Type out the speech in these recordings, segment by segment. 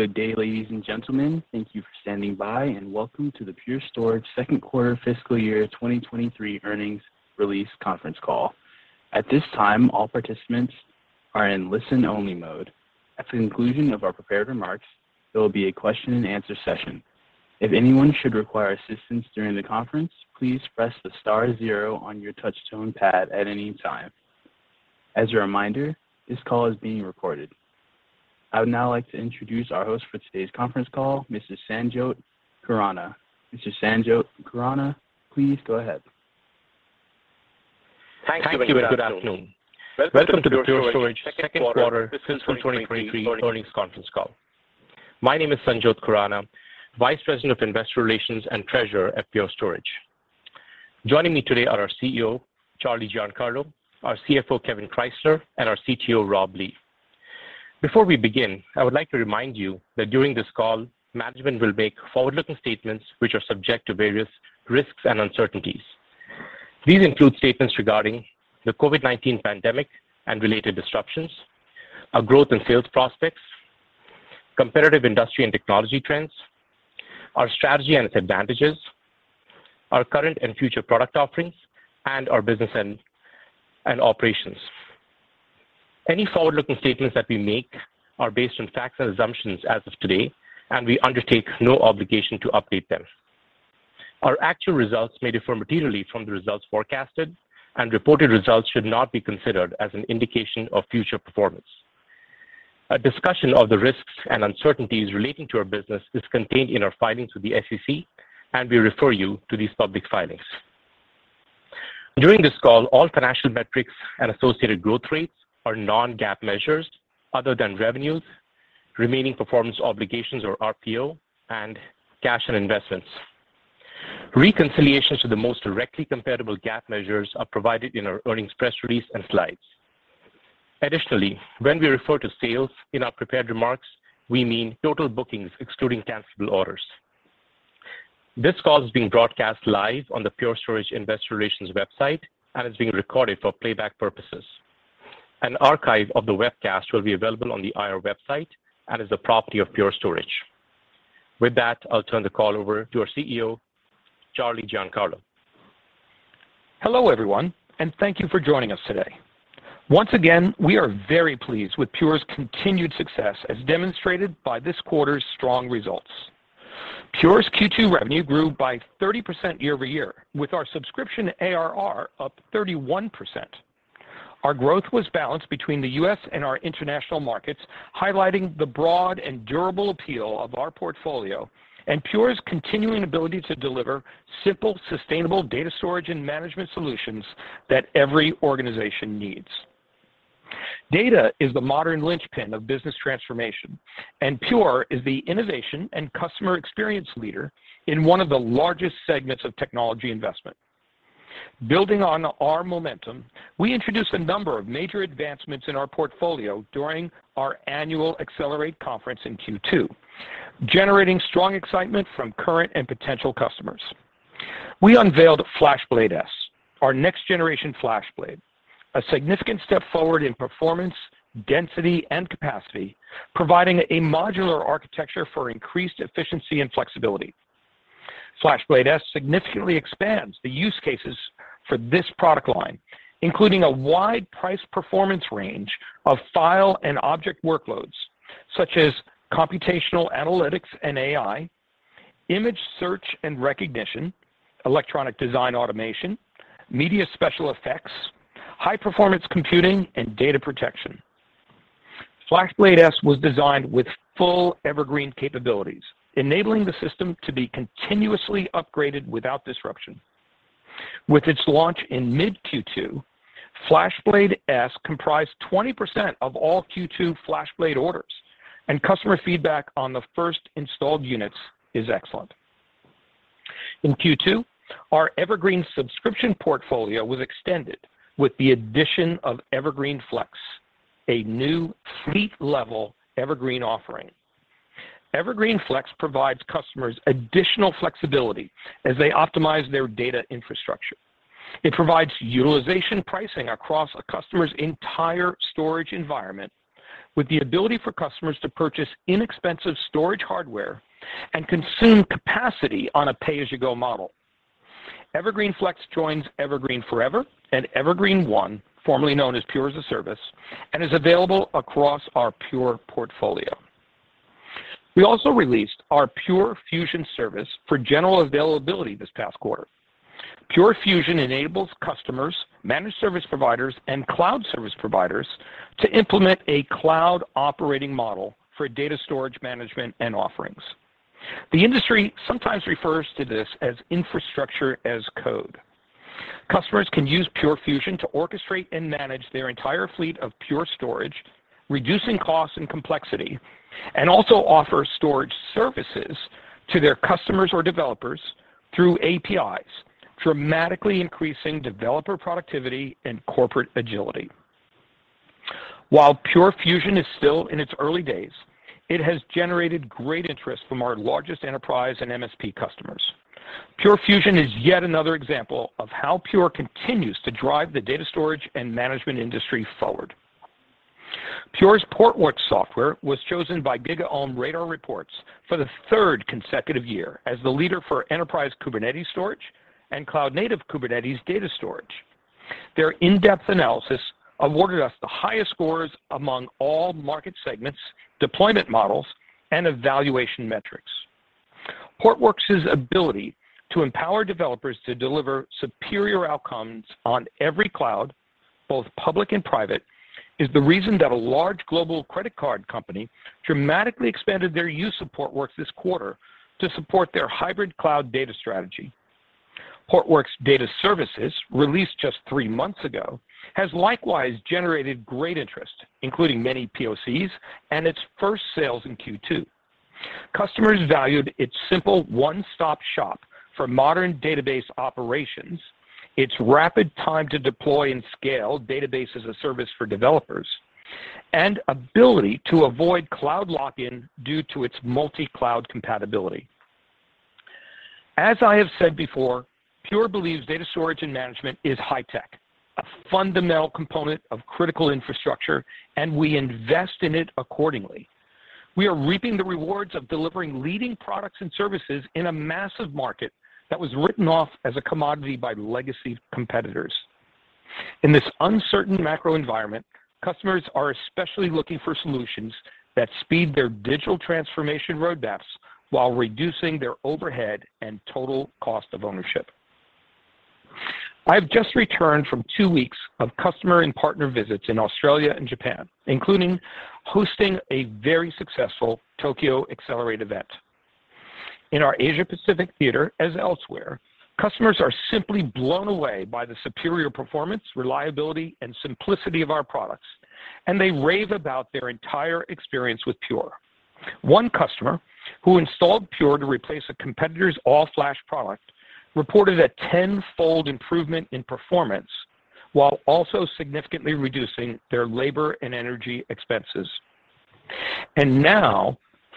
Good day, ladies and gentlemen. Thank you for standing by, and welcome to the Pure Storage Second Quarter Fiscal Year 2023 Earnings Release Conference Call. At this time, all participants are in listen-only mode. At the conclusion of our prepared remarks, there will be a question and answer session. If anyone should require assistance during the conference, please press the star zero on your touch tone pad at any time. As a reminder, this call is being recorded. I would now like to introduce our host for today's conference call, Mr. Sanjot Khurana. Mr. Sanjot Khurana, please go ahead. Thank you, and good afternoon. Welcome to the Pure Storage second quarter fiscal 2023 earnings conference call. My name is Sanjot Khurana, Vice President of Investor Relations and Treasurer at Pure Storage. Joining me today are our CEO, Charles Giancarlo, our CFO, Kevan Krysler, and our CTO, Rob Lee. Before we begin, I would like to remind you that during this call, management will make forward-looking statements which are subject to various risks and uncertainties. These include statements regarding the COVID-19 pandemic and related disruptions, our growth and sales prospects, competitive industry and technology trends, our strategy and its advantages, our current and future product offerings, and our business and operations. Any forward-looking statements that we make are based on facts and assumptions as of today, and we undertake no obligation to update them. Our actual results may differ materially from the results forecasted, and reported results should not be considered as an indication of future performance. A discussion of the risks and uncertainties relating to our business is contained in our filings with the SEC, and we refer you to these public filings. During this call, all financial metrics and associated growth rates are non-GAAP measures other than revenues, remaining performance obligations or RPO, and cash and investments. Reconciliations to the most directly comparable GAAP measures are provided in our earnings press release and slides. Additionally, when we refer to sales in our prepared remarks, we mean total bookings excluding cancelable orders. This call is being broadcast live on the Pure Storage Investor Relations website and is being recorded for playback purposes. An archive of the webcast will be available on the IR website and is the property of Pure Storage. With that, I'll turn the call over to our CEO, Charles Giancarlo. Hello, everyone, and thank you for joining us today. Once again, we are very pleased with Pure's continued success as demonstrated by this quarter's strong results. Pure's Q2 revenue grew by 30% year-over-year, with our subscription ARR up 31%. Our growth was balanced between the U.S. and our international markets, highlighting the broad and durable appeal of our portfolio and Pure's continuing ability to deliver simple, sustainable data storage and management solutions that every organization needs. Data is the modern linchpin of business transformation, and Pure is the innovation and customer experience leader in one of the largest segments of technology investment. Building on our momentum, we introduced a number of major advancements in our portfolio during our annual Accelerate conference in Q2, generating strong excitement from current and potential customers. We unveiled FlashBlade//S, our next-generation FlashBlade, a significant step forward in performance, density and capacity, providing a modular architecture for increased efficiency and flexibility. FlashBlade//S significantly expands the use cases for this product line, including a wide price performance range of file and object workloads such as computational analytics and AI, image search and recognition, electronic design automation, media special effects, high-performance computing and data protection. FlashBlade//S was designed with full Evergreen capabilities, enabling the system to be continuously upgraded without disruption. With its launch in mid-Q2, FlashBlade//S comprised 20% of all Q2 FlashBlade orders, and customer feedback on the first installed units is excellent. In Q2, our Evergreen subscription portfolio was extended with the addition of Evergreen//Flex, a new fleet-level Evergreen offering. Evergreen//Flex provides customers additional flexibility as they optimize their data infrastructure. It provides utilization pricing across a customer's entire storage environment with the ability for customers to purchase inexpensive storage hardware and consume capacity on a pay-as-you-go model. Evergreen//Flex joins Evergreen//Forever and Evergreen//One, formerly known as Pure as-a-Service, and is available across our Pure portfolio. We also released our Pure Fusion service for general availability this past quarter. Pure Fusion enables customers, managed service providers, and cloud service providers to implement a cloud operating model for data storage management and offerings. The industry sometimes refers to this as Infrastructure as Code. Customers can use Pure Fusion to orchestrate and manage their entire fleet of Pure Storage, reducing costs and complexity, and also offer storage services to their customers or developers through APIs, dramatically increasing developer productivity and corporate agility. While Pure Fusion is still in its early days, it has generated great interest from our largest enterprise and MSP customers. Pure Fusion is yet another example of how Pure continues to drive the data storage and management industry forward. Pure's Portworx software was chosen by GigaOm Radar for the third consecutive year as the leader for enterprise Kubernetes storage and cloud-native Kubernetes data storage. Their in-depth analysis awarded us the highest scores among all market segments, deployment models, and evaluation metrics. Portworx's ability to empower developers to deliver superior outcomes on every cloud, both public and private, is the reason that a large global credit card company dramatically expanded their use of Portworx this quarter to support their hybrid cloud data strategy. Portworx Data Services, released just three months ago, has likewise generated great interest, including many POCs and its first sales in Q2. Customers valued its simple one-stop shop for modern database operations, its rapid time to deploy and scale database as a service for developers, and ability to avoid cloud lock-in due to its multi-cloud compatibility. As I have said before, Pure believes data storage and management is high tech, a fundamental component of critical infrastructure, and we invest in it accordingly. We are reaping the rewards of delivering leading products and services in a massive market that was written off as a commodity by legacy competitors. In this uncertain macro environment, customers are especially looking for solutions that speed their digital transformation roadmaps while reducing their overhead and total cost of ownership. I've just returned from two weeks of customer and partner visits in Australia and Japan, including hosting a very successful Tokyo Accelerate event. In our Asia-Pacific theater, as elsewhere, customers are simply blown away by the superior performance, reliability, and simplicity of our products, and they rave about their entire experience with Pure. One customer who installed Pure to replace a competitor's all-flash product reported a tenfold improvement in performance while also significantly reducing their labor and energy expenses. Now,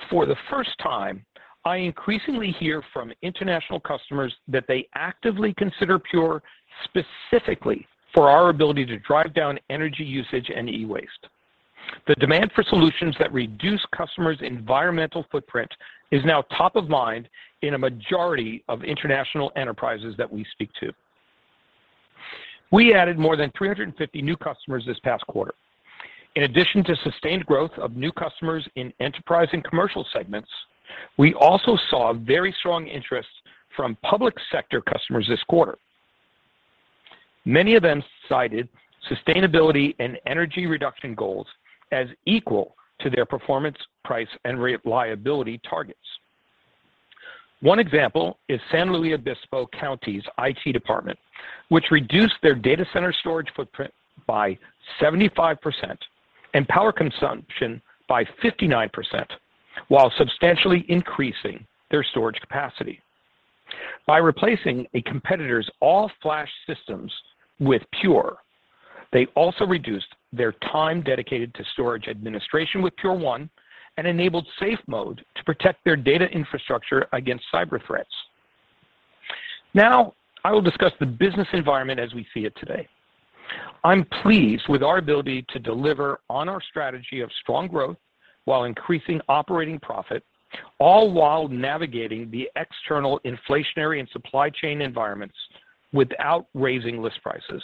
for the first time, I increasingly hear from international customers that they actively consider Pure specifically for our ability to drive down energy usage and e-waste. The demand for solutions that reduce customers' environmental footprint is now top of mind in a majority of international enterprises that we speak to. We added more than 350 new customers this past quarter. In addition to sustained growth of new customers in enterprise and commercial segments, we also saw a very strong interest from public sector customers this quarter. Many of them cited sustainability and energy reduction goals as equal to their performance, price, and reliability targets. One example is San Luis Obispo County's IT department, which reduced their data center storage footprint by 75% and power consumption by 59% while substantially increasing their storage capacity. By replacing a competitor's all-flash systems with Pure, they also reduced their time dedicated to storage administration with Pure1 and enabled SafeMode to protect their data infrastructure against cyber threats. Now, I will discuss the business environment as we see it today. I'm pleased with our ability to deliver on our strategy of strong growth while increasing operating profit, all while navigating the external inflationary and supply chain environments without raising list prices.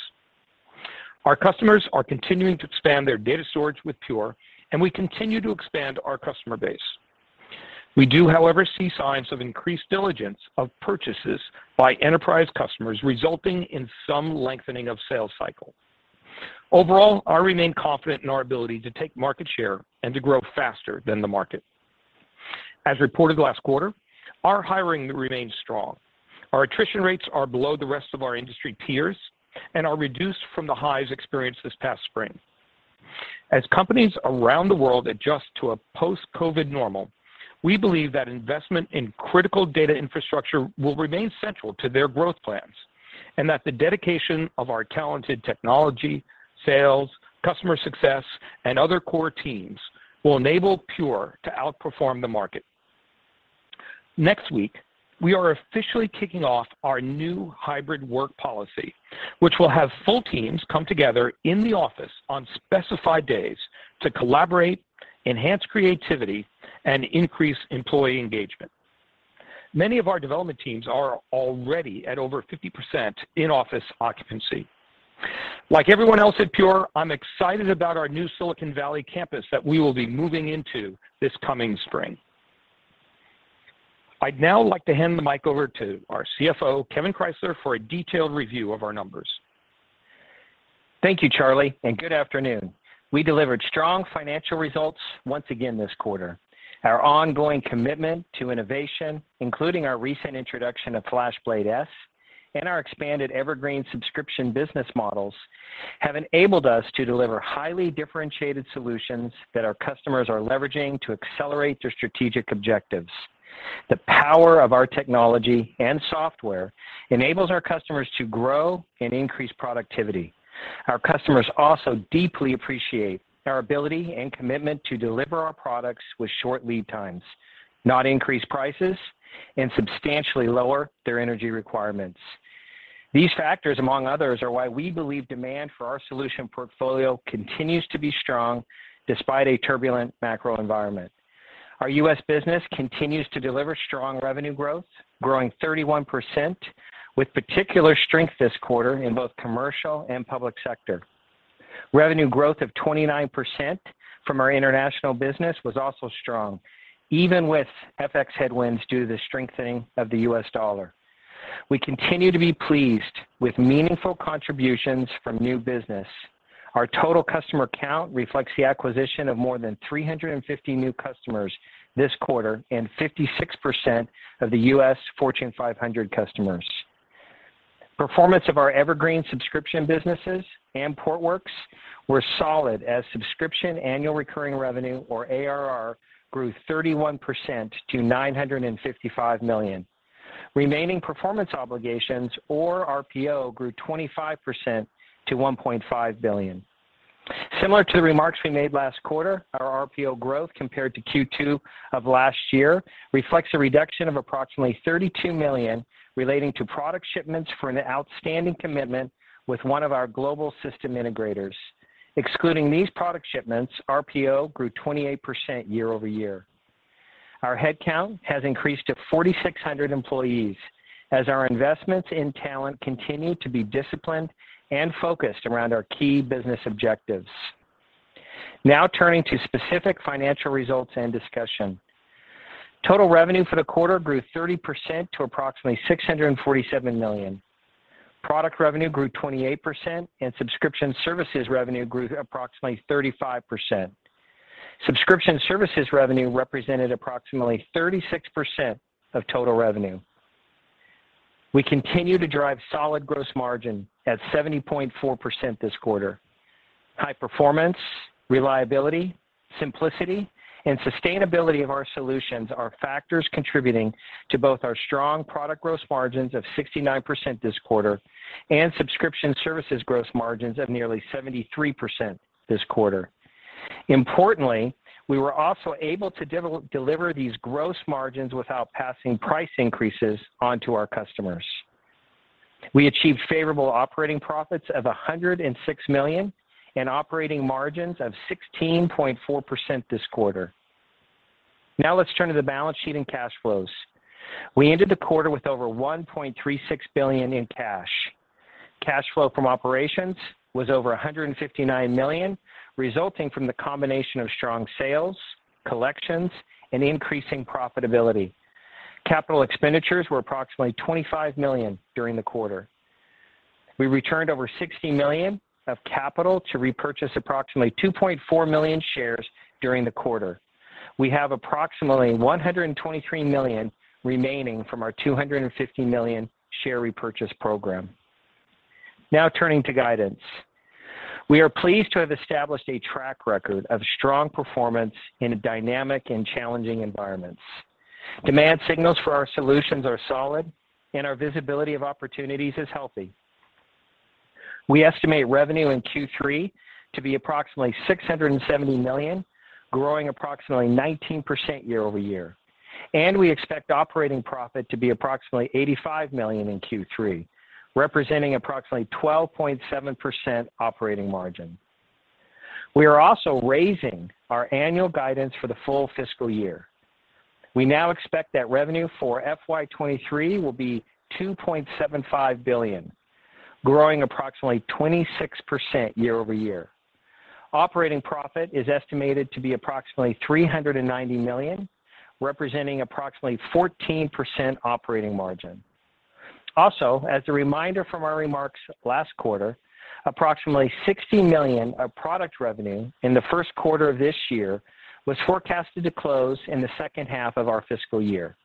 Our customers are continuing to expand their data storage with Pure, and we continue to expand our customer base. We do, however, see signs of increased diligence of purchases by enterprise customers, resulting in some lengthening of sales cycle. Overall, I remain confident in our ability to take market share and to grow faster than the market. As reported last quarter, our hiring remains strong. Our attrition rates are below the rest of our industry peers and are reduced from the highs experienced this past spring. As companies around the world adjust to a post-COVID normal, we believe that investment in critical data infrastructure will remain central to their growth plans and that the dedication of our talented technology, sales, customer success, and other core teams will enable Pure to outperform the market. Next week, we are officially kicking off our new hybrid work policy, which will have full teams come together in the office on specified days to collaborate, enhance creativity, and increase employee engagement. Many of our development teams are already at over 50% in-office occupancy. Like everyone else at Pure, I'm excited about our new Silicon Valley campus that we will be moving into this coming spring. I'd now like to hand the mic over to our CFO, Kevan Krysler, for a detailed review of our numbers. Thank you, Charlie, and good afternoon. We delivered strong financial results once again this quarter. Our ongoing commitment to innovation, including our recent introduction of FlashBlade//S and our expanded Evergreen subscription business models, have enabled us to deliver highly differentiated solutions that our customers are leveraging to accelerate their strategic objectives. The power of our technology and software enables our customers to grow and increase productivity. Our customers also deeply appreciate our ability and commitment to deliver our products with short lead times, not increase prices and substantially lower their energy requirements. These factors, among others, are why we believe demand for our solution portfolio continues to be strong despite a turbulent macro environment. Our U.S. business continues to deliver strong revenue growth, growing 31% with particular strength this quarter in both commercial and public sector. Revenue growth of 29% from our international business was also strong, even with FX headwinds due to the strengthening of the U.S. dollar. We continue to be pleased with meaningful contributions from new business. Our total customer count reflects the acquisition of more than 350 new customers this quarter and 56% of the U.S. Fortune 500 customers. Performance of our Evergreen subscription businesses and Portworx were solid as subscription annual recurring revenue or ARR grew 31% to $955 million. Remaining performance obligations or RPO grew 25% to $1.5 billion. Similar to the remarks we made last quarter, our RPO growth compared to Q2 of last year reflects a reduction of approximately $32 million relating to product shipments for an outstanding commitment with one of our global system integrators. Excluding these product shipments, RPO grew 28% year over year. Our head count has increased to 4,600 employees as our investments in talent continue to be disciplined and focused around our key business objectives. Now turning to specific financial results and discussion. Total revenue for the quarter grew 30% to approximately $647 million. Product revenue grew 28%, and subscription services revenue grew approximately 35%. Subscription services revenue represented approximately 36% of total revenue. We continue to drive solid gross margin at 70.4% this quarter. High performance, reliability, simplicity and sustainability of our solutions are factors contributing to both our strong product gross margins of 69% this quarter and subscription services gross margins of nearly 73% this quarter. Importantly, we were also able to deliver these gross margins without passing price increases onto our customers. We achieved favorable operating profits of $106 million and operating margins of 16.4% this quarter. Now let's turn to the balance sheet and cash flows. We ended the quarter with over $1.36 billion in cash. Cash flow from operations was over $159 million, resulting from the combination of strong sales, collections and increasing profitability. Capital expenditures were approximately $25 million during the quarter. We returned over $60 million of capital to repurchase approximately 2.4 million shares during the quarter. We have approximately $123 million remaining from our $250 million share repurchase program. Now turning to guidance. We are pleased to have established a track record of strong performance in a dynamic and challenging environments. Demand signals for our solutions are solid and our visibility of opportunities is healthy. We estimate revenue in Q3 to be approximately $670 million, growing approximately 19% year-over-year, and we expect operating profit to be approximately $85 million in Q3, representing approximately 12.7% operating margin. We are also raising our annual guidance for the full fiscal year. We now expect that revenue for FY 2023 will be $2.75 billion, growing approximately 26% year-over-year. Operating profit is estimated to be approximately $390 million, representing approximately 14% operating margin. Also, as a reminder from our remarks last quarter, approximately $60 million of product revenue in the first quarter of this year was forecasted to close in the second half of our fiscal year.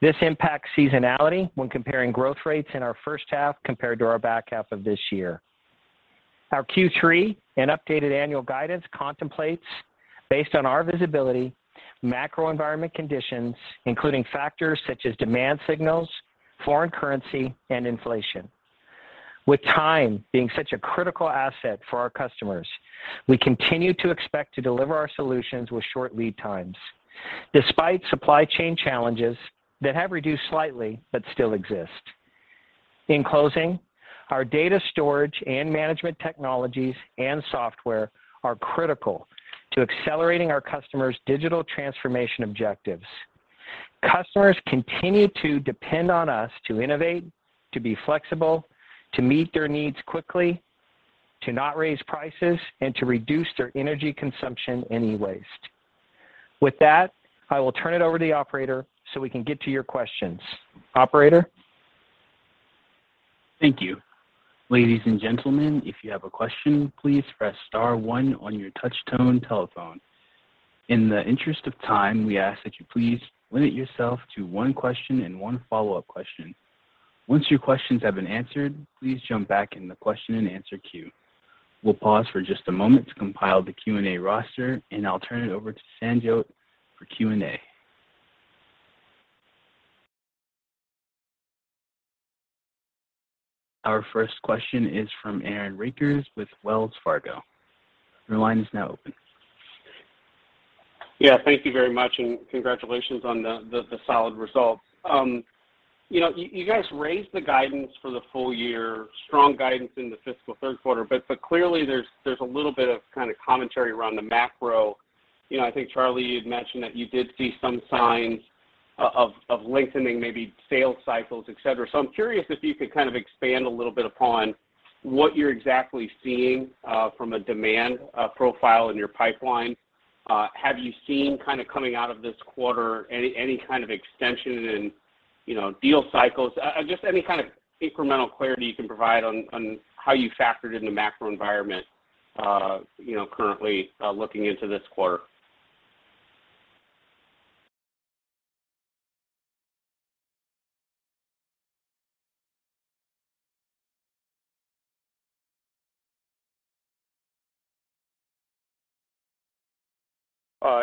This impacts seasonality when comparing growth rates in our first half compared to our back half of this year. Our Q3 and updated annual guidance contemplates, based on our visibility, macro environment conditions, including factors such as demand signals, foreign currency and inflation. With time being such a critical asset for our customers, we continue to expect to deliver our solutions with short lead times despite supply chain challenges that have reduced slightly but still exist. In closing, our data storage and management technologies and software are critical to accelerating our customers digital transformation objectives. Customers continue to depend on us to innovate, to be flexible, to meet their needs quickly, to not raise prices, and to reduce their energy consumption and e-waste. With that, I will turn it over to the operator so we can get to your questions. Operator. Thank you. Ladies and gentlemen, if you have a question, please press star one on your touch tone telephone. In the interest of time, we ask that you please limit yourself to one question and one follow-up question. Once your questions have been answered, please jump back in the question and answer queue. We'll pause for just a moment to compile the Q&A roster, and I'll turn it over to Sanjot for Q&A. Our first question is from Aaron Rakers with Wells Fargo. Your line is now open. Yeah. Thank you very much, and congratulations on the solid results. You know, you guys raised the guidance for the full year, strong guidance in the fiscal third quarter, but clearly there's a little bit of kind of commentary around the macro. You know, I think, Charlie, you'd mentioned that you did see some signs of lengthening maybe sales cycles, et cetera. I'm curious if you could kind of expand a little bit upon what you're exactly seeing from a demand profile in your pipeline. Have you seen kind of coming out of this quarter any kind of extension in, you know, deal cycles? Just any kind of incremental clarity you can provide on how you factored in the macro environment, you know, currently looking into this quarter. Can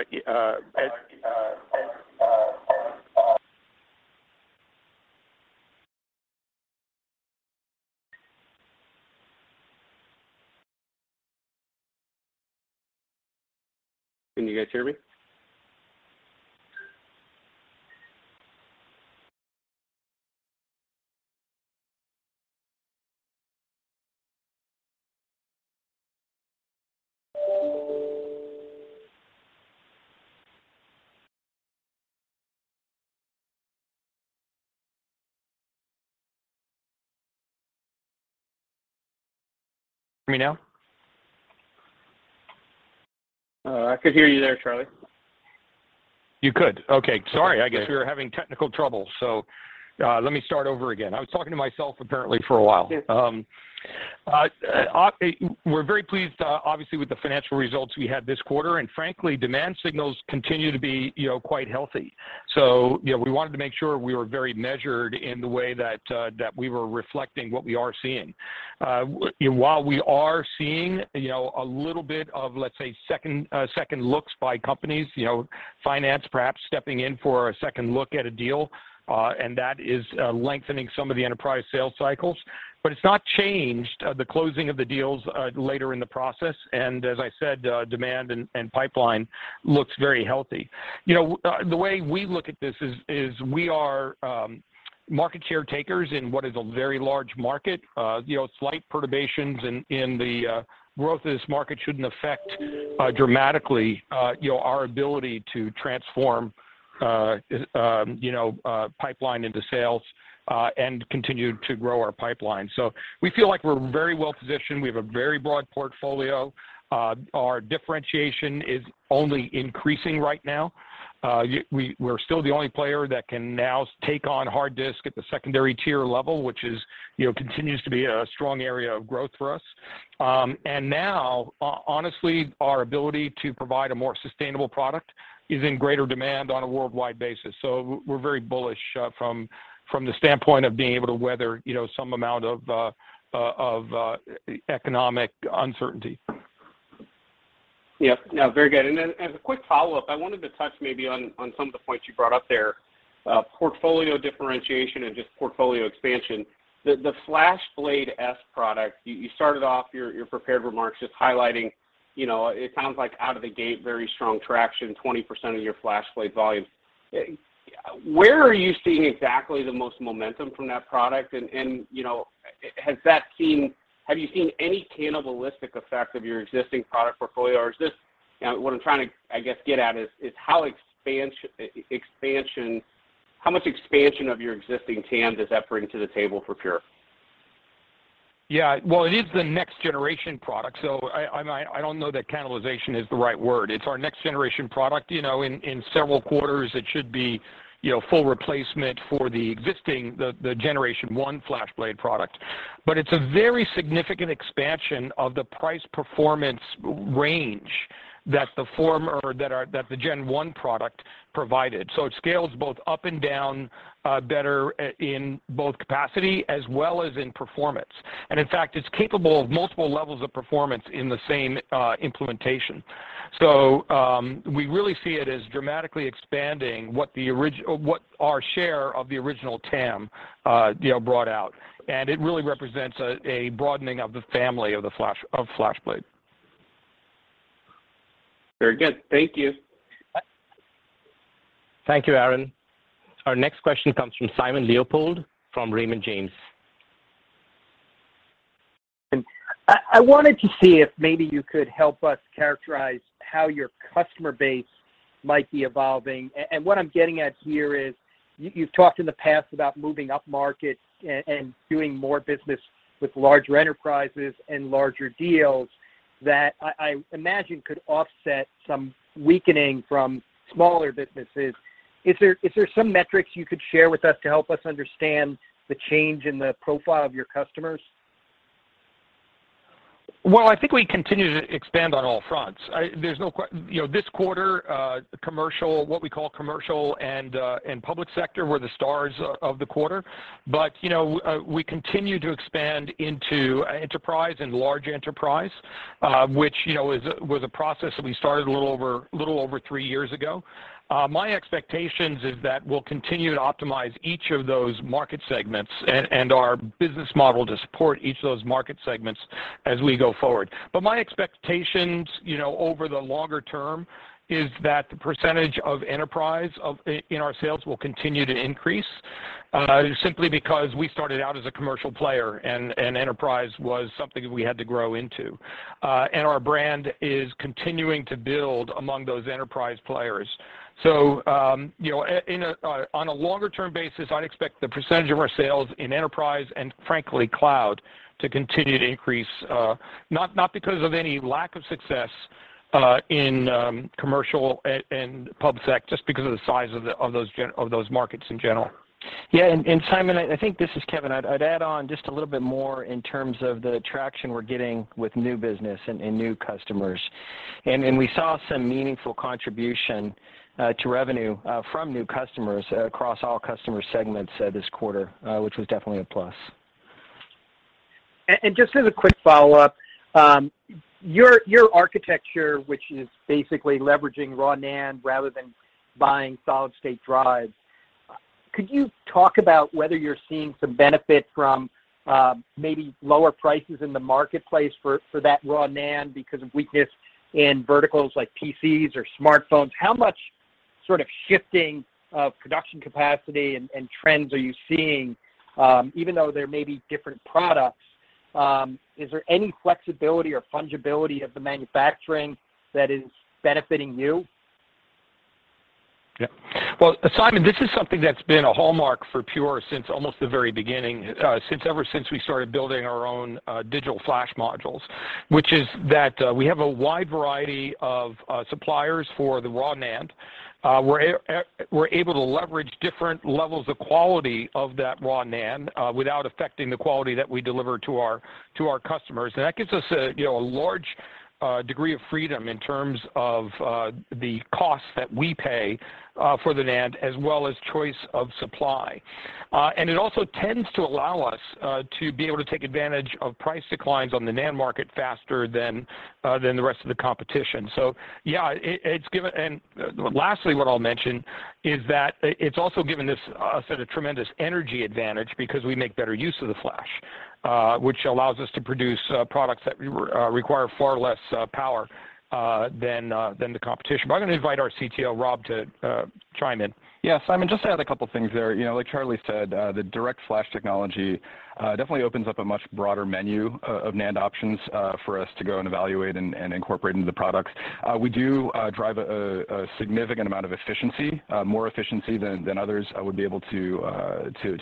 you guys hear me? Hear me now? I could hear you there, Charlie. You could? Okay. Sorry. I guess we were having technical trouble, so, let me start over again. I was talking to myself apparently for a while. It's okay. We're very pleased, obviously with the financial results we had this quarter, and frankly, demand signals continue to be, you know, quite healthy. You know, we wanted to make sure we were very measured in the way that that we were reflecting what we are seeing. While we are seeing, you know, a little bit of, let's say, second second looks by companies, you know, finance perhaps stepping in for a second look at a deal, and that is lengthening some of the enterprise sales cycles. It's not changed the closing of the deals later in the process, and as I said, demand and pipeline looks very healthy. You know, the way we look at this is we are market caretakers in what is a very large market. You know, slight perturbations in the growth of this market shouldn't affect dramatically you know our ability to transform pipeline into sales and continue to grow our pipeline. We feel like we're very well positioned. We have a very broad portfolio. Our differentiation is only increasing right now. We're still the only player that can now take on hard disk at the secondary tier level, which you know continues to be a strong area of growth for us. Now, honestly, our ability to provide a more sustainable product is in greater demand on a worldwide basis. We're very bullish from the standpoint of being able to weather you know some amount of economic uncertainty. Yeah. No, very good. Then as a quick follow-up, I wanted to touch maybe on some of the points you brought up there, portfolio differentiation and just portfolio expansion. The FlashBlade//S product, you started off your prepared remarks just highlighting, you know, it sounds like out of the gate, very strong traction, 20% of your FlashBlade volume. Where are you seeing exactly the most momentum from that product? And, you know, have you seen any cannibalistic effect of your existing product portfolio, or is this? You know, what I'm trying to get at is how much expansion of your existing TAM does that bring to the table for Pure? Yeah. Well, it is the next generation product, so I don't know that cannibalization is the right word. It's our next generation product. You know, in several quarters it should be, you know, full replacement for the existing, the generation one FlashBlade product. But it's a very significant expansion of the price performance range that the gen one product provided. So it scales both up and down, better in both capacity as well as in performance. And in fact, it's capable of multiple levels of performance in the same implementation. So, we really see it as dramatically expanding what our share of the original TAM, you know, brought out, and it really represents a broadening of the family of FlashBlade. Very good. Thank you. Thank you, Aaron. Our next question comes from Simon Leopold from Raymond James. I wanted to see if maybe you could help us characterize how your customer base might be evolving. What I'm getting at here is you've talked in the past about moving upmarket and doing more business with larger enterprises and larger deals that I imagine could offset some weakening from smaller businesses. Is there some metrics you could share with us to help us understand the change in the profile of your customers? Well, I think we continue to expand on all fronts. You know, this quarter, commercial, what we call commercial and public sector were the stars of the quarter. You know, we continue to expand into enterprise and large enterprise, which, you know, was a process that we started a little over three years ago. My expectations is that we'll continue to optimize each of those market segments and our business model to support each of those market segments as we go forward. My expectations, you know, over the longer term is that the percentage of enterprise in our sales will continue to increase. Simply because we started out as a commercial player and enterprise was something we had to grow into. Our brand is continuing to build among those enterprise players. You know, on a longer-term basis, I'd expect the percentage of our sales in enterprise and frankly cloud to continue to increase, not because of any lack of success in commercial and public sector, just because of the size of those markets in general. Yeah. Simon, I think this is Kevan. I'd add on just a little bit more in terms of the traction we're getting with new business and new customers. We saw some meaningful contribution to revenue from new customers across all customer segments this quarter, which was definitely a plus. Just as a quick follow-up, your architecture, which is basically leveraging raw NAND rather than buying solid-state drives, could you talk about whether you're seeing some benefit from, maybe lower prices in the marketplace for that raw NAND because of weakness in verticals like PCs or smartphones? How much sort of shifting of production capacity and trends are you seeing, even though they may be different products, is there any flexibility or fungibility of the manufacturing that is benefiting you? Yeah. Well, Simon, this is something that's been a hallmark for Pure since almost the very beginning, ever since we started building our own DirectFlash modules, which is that we have a wide variety of suppliers for the raw NAND. We're able to leverage different levels of quality of that raw NAND without affecting the quality that we deliver to our customers. That gives us, you know, a large degree of freedom in terms of the cost that we pay for the NAND as well as choice of supply. It also tends to allow us to be able to take advantage of price declines on the NAND market faster than the rest of the competition. Yeah, it's given. Lastly what I'll mention is that it's also given us a tremendous energy advantage because we make better use of the flash, which allows us to produce products that require far less power than the competition. I'm gonna invite our CTO, Rob, to chime in. Yeah. Simon, just to add a couple things there. You know, like Charlie said, the DirectFlash technology definitely opens up a much broader menu of NAND options for us to go and evaluate and incorporate into the products. We do drive a significant amount of efficiency, more efficiency than others would be able to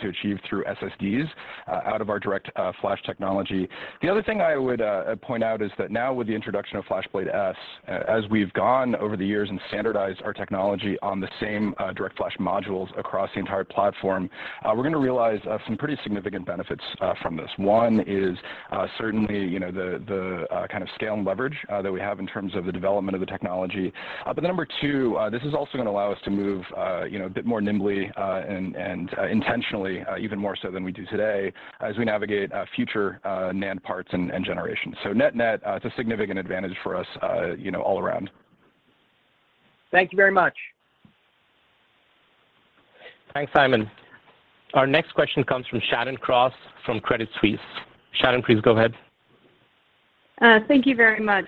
achieve through SSDs out of our DirectFlash technology. The other thing I would point out is that now with the introduction of FlashBlade//S, as we've gone over the years and standardized our technology on the same DirectFlash modules across the entire platform, we're gonna realize some pretty significant benefits from this. One is certainly, you know, the kind of scale and leverage that we have in terms of the development of the technology. Two, this is also gonna allow us to move, you know, a bit more nimbly and intentionally, even more so than we do today as we navigate future NAND parts and generations. Net-net, it's a significant advantage for us, you know, all around. Thank you very much. Thanks, Simon. Our next question comes from Shannon Cross from Credit Suisse. Shannon, please go ahead. Thank you very much.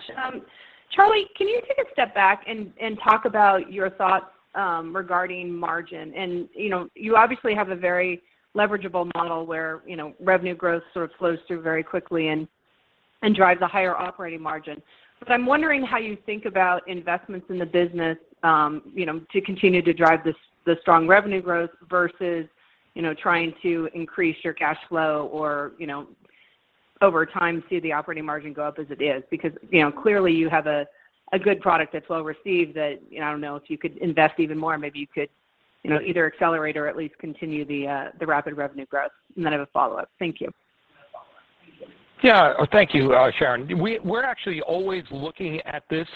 Charlie, can you take a step back and talk about your thoughts regarding margin? You know, you obviously have a very leverageable model where, you know, revenue growth sort of flows through very quickly and drives a higher operating margin. I'm wondering how you think about investments in the business, you know, to continue to drive this, the strong revenue growth versus, you know, trying to increase your cash flow or, you know, over time, see the operating margin go up as it is. You know, clearly you have a good product that's well-received that, you know, I don't know, if you could invest even more, maybe you could, you know, either accelerate or at least continue the rapid revenue growth. I have a follow-up. Thank you. Yeah. Thank you, Shannon. We're actually always looking at this,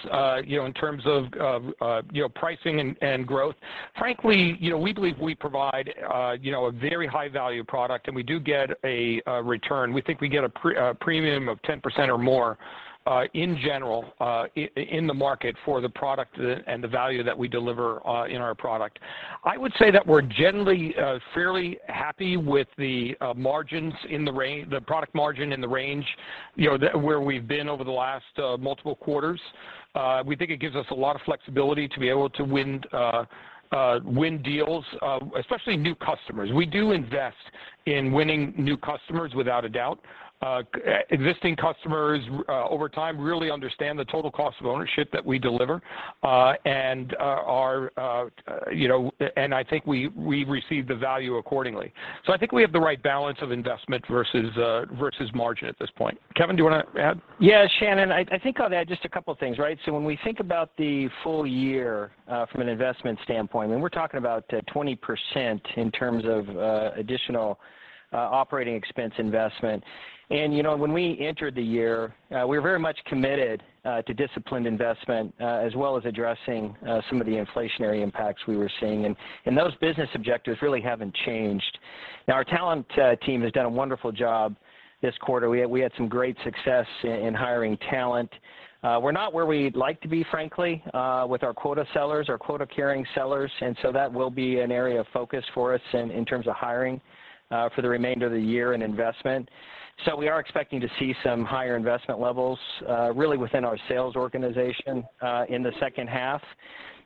you know, in terms of pricing and growth. Frankly, you know, we believe we provide you know a very high value product, and we do get a return. We think we get a premium of 10% or more in general in the market for the product and the value that we deliver in our product. I would say that we're generally fairly happy with the margins in the product margin in the range, you know, where we've been over the last multiple quarters. We think it gives us a lot of flexibility to be able to win win deals especially new customers. We do invest in winning new customers, without a doubt. Existing customers over time really understand the total cost of ownership that we deliver, and are, you know, and I think we receive the value accordingly. I think we have the right balance of investment versus margin at this point. Kevan, do you wanna add? Yeah. Shannon, I think I'll add just a couple things, right? When we think about the full year, from an investment standpoint, and we're talking about 20% in terms of additional operating expense investment. You know, when we entered the year, we were very much committed to disciplined investment as well as addressing some of the inflationary impacts we were seeing. Those business objectives really haven't changed. Now, our talent team has done a wonderful job this quarter. We had some great success in hiring talent. We're not where we'd like to be, frankly, with our quota sellers, our quota-carrying sellers, and so that will be an area of focus for us in terms of hiring. For the remainder of the year in investment. We are expecting to see some higher investment levels, really within our sales organization, in the second half.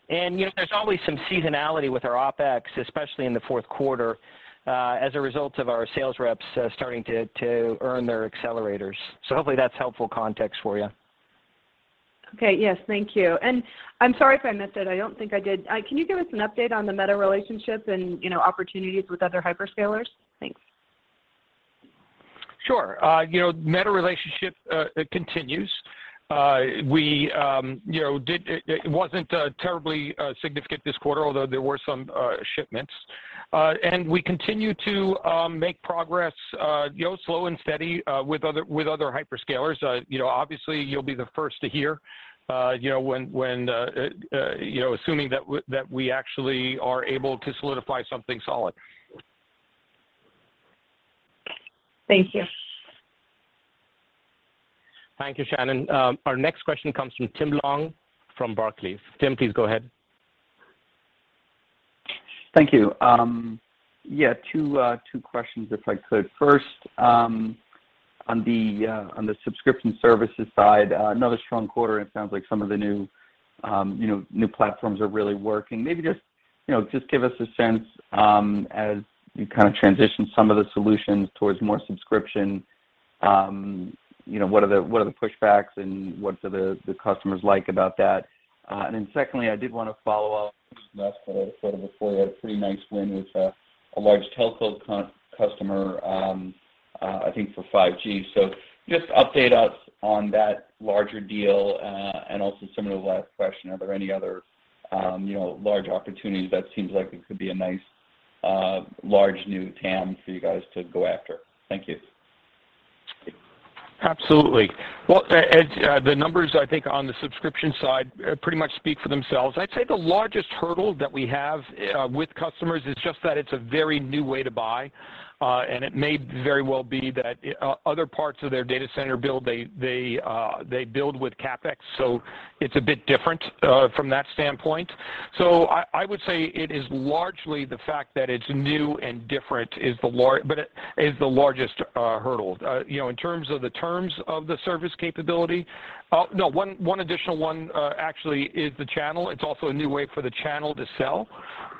You know, there's always some seasonality with our OpEx, especially in the fourth quarter, as a result of our sales reps starting to earn their accelerators. Hopefully, that's helpful context for you. Okay. Yes. Thank you. I'm sorry if I missed it. I don't think I did. Can you give us an update on the Meta relationship and, you know, opportunities with other hyperscalers? Thanks. Sure. You know, Meta relationship continues. We, you know, it wasn't terribly significant this quarter, although there were some shipments. We continue to make progress, you know, slow and steady, with other hyperscalers. You know, obviously, you'll be the first to hear, you know, when, you know, assuming that we actually are able to solidify something solid. Thank you. Thank you, Shannon. Our next question comes from Tim Long from Barclays. Tim, please go ahead. Thank you. Yeah, two questions if I could. First, on the subscription services side, another strong quarter, and it sounds like some of the new, you know, new platforms are really working. Maybe just, you know, just give us a sense, as you kind of transition some of the solutions towards more subscription, you know, what are the pushbacks and what do the customers like about that? Then secondly, I did want to follow up a pretty nice win with a large telco customer, I think for 5G. Just update us on that larger deal, and also similar to the last question, are there any other, you know, large opportunities that seems like it could be a nice, large new TAM for you guys to go after? Thank you. Absolutely. Well, as the numbers I think on the subscription side pretty much speak for themselves. I'd say the largest hurdle that we have with customers is just that it's a very new way to buy, and it may very well be that other parts of their data center build, they build with CapEx, so it's a bit different from that standpoint. I would say it is largely the fact that it's new and different, but it is the largest hurdle. You know, in terms of the terms of the service capability. No. One additional one actually is the channel. It's also a new way for the channel to sell.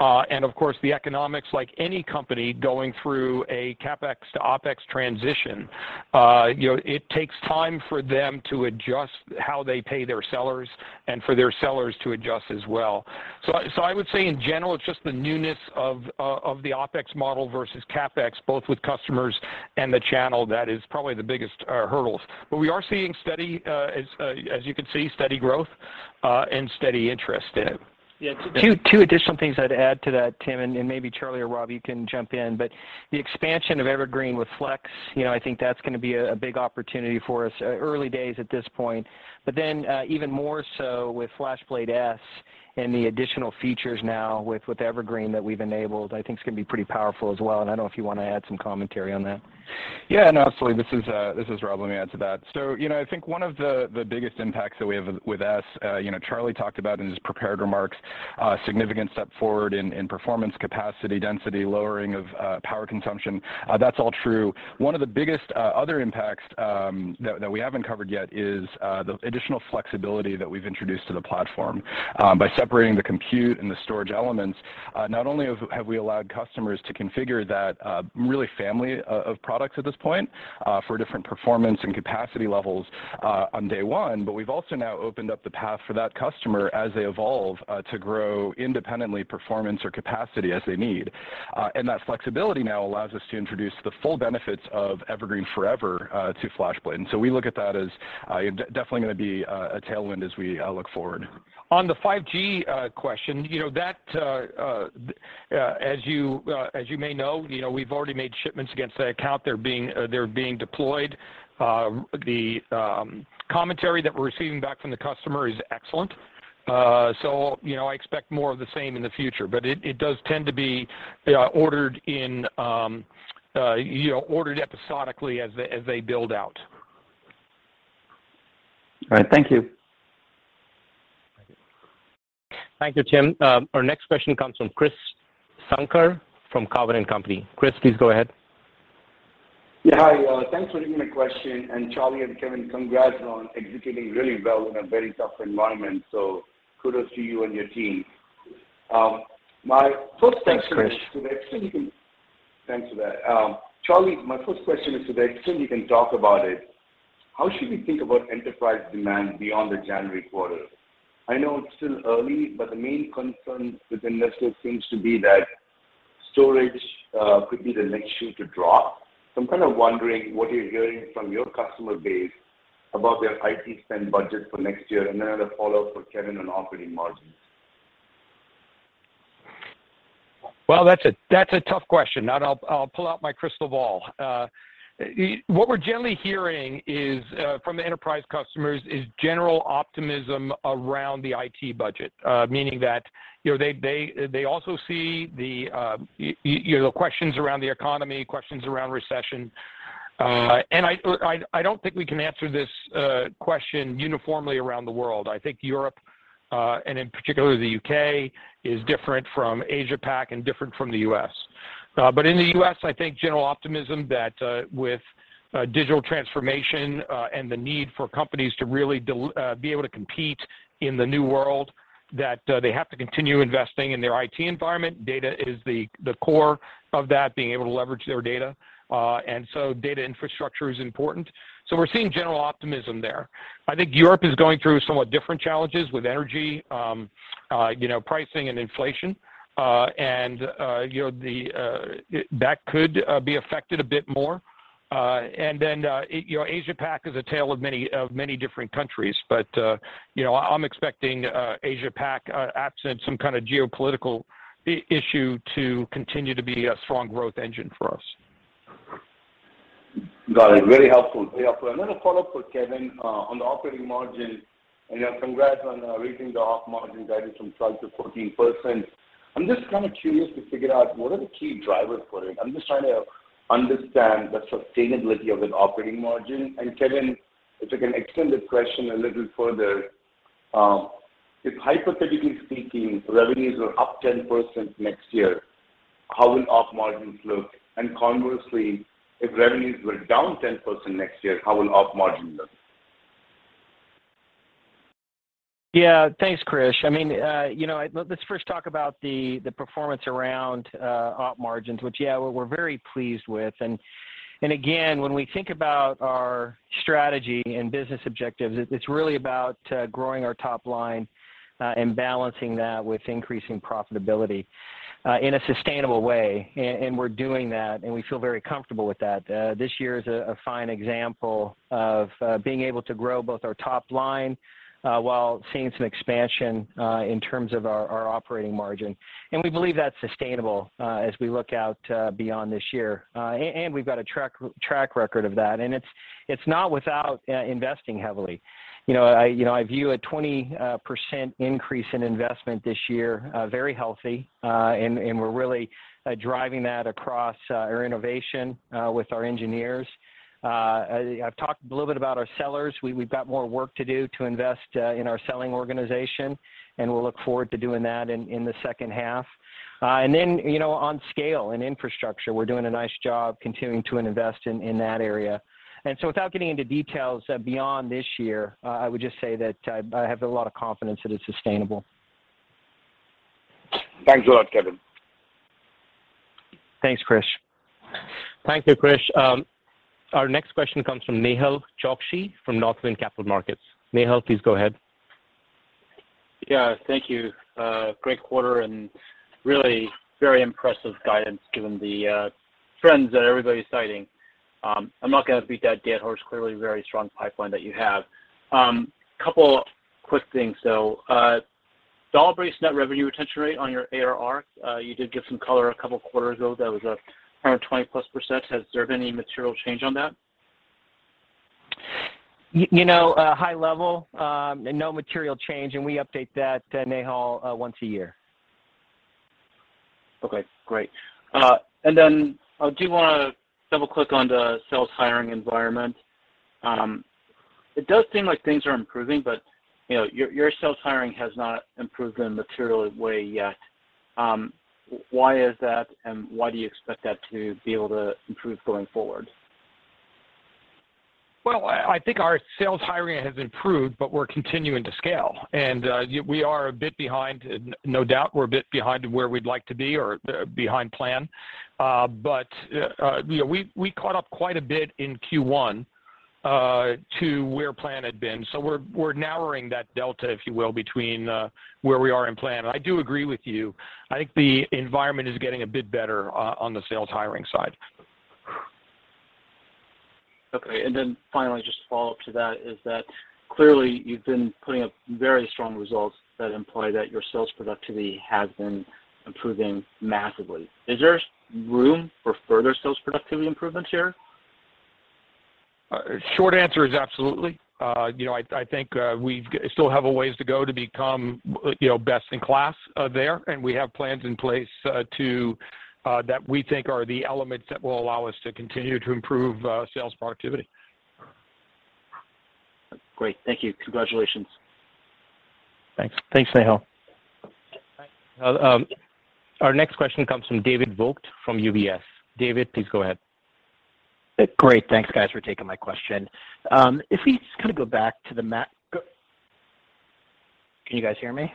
Of course, the economics, like any company going through a CapEx to OpEx transition, you know, it takes time for them to adjust how they pay their sellers and for their sellers to adjust as well. I would say in general, it's just the newness of the OpEx model versus CapEx, both with customers and the channel that is probably the biggest hurdles. We are seeing steady, as you can see, steady growth, and steady interest in it. Yeah. Two additional things I'd add to that, Tim, and maybe Charlie or Rob, you can jump in. The expansion of Evergreen with Flex, you know, I think that's gonna be a big opportunity for us. Early days at this point. Even more so with FlashBlade//S and the additional features now with Evergreen that we've enabled, I think it's gonna be pretty powerful as well, and I don't know if you want to add some commentary on that. Yeah. No, absolutely. This is Rob. Let me add to that. You know, I think one of the biggest impacts that we have with S. Charlie talked about in his prepared remarks significant step forward in performance capacity, density, lowering of power consumption. That's all true. One of the biggest other impacts that we haven't covered yet is the additional flexibility that we've introduced to the platform. By separating the compute and the storage elements, not only have we allowed customers to configure that really family of products at this point for different performance and capacity levels on day one, but we've also now opened up the path for that customer as they evolve to grow independently performance or capacity as they need. That flexibility now allows us to introduce the full benefits of Evergreen//Forever to FlashBlade. We look at that as definitely gonna be a tailwind as we look forward. On the 5G question, you know, that as you may know, you know, we've already made shipments against that account. They're being deployed. The commentary that we're receiving back from the customer is excellent. You know, I expect more of the same in the future. It does tend to be ordered episodically as they build out. All right. Thank you. Thank you, Tim. Our next question comes from Krish Sankar from Cowen and Company. Chris, please go ahead. Yeah. Hi. Thanks for taking my question. Charlie and Kevan, congrats on executing really well in a very tough environment. Kudos to you and your team. My first question-- Thanks, Chris. Thanks for that. Charles, my first question is to the extent you can talk about it, how should we think about enterprise demand beyond the January quarter? I know it's still early, but the main concern with investors seems to be that storage could be the next shoe to drop. I'm kind of wondering what you're hearing from your customer base about their IT spend budget for next year. I have a follow-up for Kevan on operating margins. Well, that's a tough question and I'll pull out my crystal ball. What we're generally hearing is from the enterprise customers is general optimism around the IT budget. Meaning that, you know, they also see the questions around the economy, questions around recession, and I don't think we can answer this question uniformly around the world. I think Europe and in particular the U.K. is different from Asia Pac and different from the U.S. But in the U.S., I think general optimism that with digital transformation and the need for companies to really be able to compete in the new world, that they have to continue investing in their IT environment. Data is the core of that, being able to leverage their data. Data infrastructure is important, so we're seeing general optimism there. I think Europe is going through somewhat different challenges with energy, you know, pricing and inflation. You know, that could be affected a bit more. You know, Asia Pac is a tale of many different countries. You know, I'm expecting Asia Pac absent some kind of geopolitical issue to continue to be a strong growth engine for us. Got it. Very helpful. Another follow-up for Kevan, on the operating margin. Yeah, congrats on raising the op margin guidance from 12%-14%. I'm just kind of curious to figure out what are the key drivers for it. I'm just trying to understand the sustainability of an operating margin. Kevan, if I can extend this question a little further, if hypothetically speaking, revenues are up 10% next year, how will op margins look? Conversely, if revenues were down 10% next year, how will op margin look? Yeah. Thanks, Krish. I mean, you know, let's first talk about the performance around op margins, which, yeah, we're very pleased with. Again, when we think about our strategy and business objectives, it's really about growing our top line and balancing that with increasing profitability in a sustainable way, and we're doing that, and we feel very comfortable with that. This year is a fine example of being able to grow both our top line while seeing some expansion in terms of our operating margin. We believe that's sustainable as we look out beyond this year. We've got a track record of that, and it's not without investing heavily. You know, I view a 20% increase in investment this year very healthy. We're really driving that across our innovation with our engineers. I've talked a little bit about our sellers. We've got more work to do to invest in our selling organization, and we'll look forward to doing that in the second half. You know, on scale and infrastructure, we're doing a nice job continuing to invest in that area. Without getting into details beyond this year, I would just say that I have a lot of confidence that it's sustainable. Thanks a lot, Kevan. Thanks, Krish. Thank you, Krish. Our next question comes from Nehal Chokshi from Northland Capital Markets. Nehal, please go ahead. Yeah. Thank you. Great quarter and really very impressive guidance given the trends that everybody's citing. I'm not gonna beat that dead horse. Clearly very strong pipeline that you have. Couple quick things. So, dollar-based net revenue retention rate on your ARR, you did give some color a couple quarters ago. That was around +20%. Has there been any material change on that? You know, high level, and no material change, and we update that, Nehal, once a year. Okay. Great. I do wanna double-click on the sales hiring environment. It does seem like things are improving, but, you know, your sales hiring has not improved in a material way yet. Why is that, and why do you expect that to be able to improve going forward? Well, I think our sales hiring has improved, but we're continuing to scale. We are a bit behind. No doubt we're a bit behind where we'd like to be or behind plan. You know, we caught up quite a bit in Q1 to where plan had been, so we're narrowing that delta, if you will, between where we are and plan. I do agree with you. I think the environment is getting a bit better on the sales hiring side. Okay. Finally, just a follow-up to that is that clearly you've been putting up very strong results that imply that your sales productivity has been improving massively. Is there room for further sales productivity improvements here? Short answer is absolutely. You know, I think we still have a ways to go to become, you know, best in class there, and we have plans in place that we think are the elements that will allow us to continue to improve sales productivity. Great. Thank you. Congratulations. Thanks. Thanks, Nehal. Our next question comes from David Vogt from UBS. David, please go ahead. Great. Thanks, guys, for taking my question. If we just kind of go back to the. Can you guys hear me?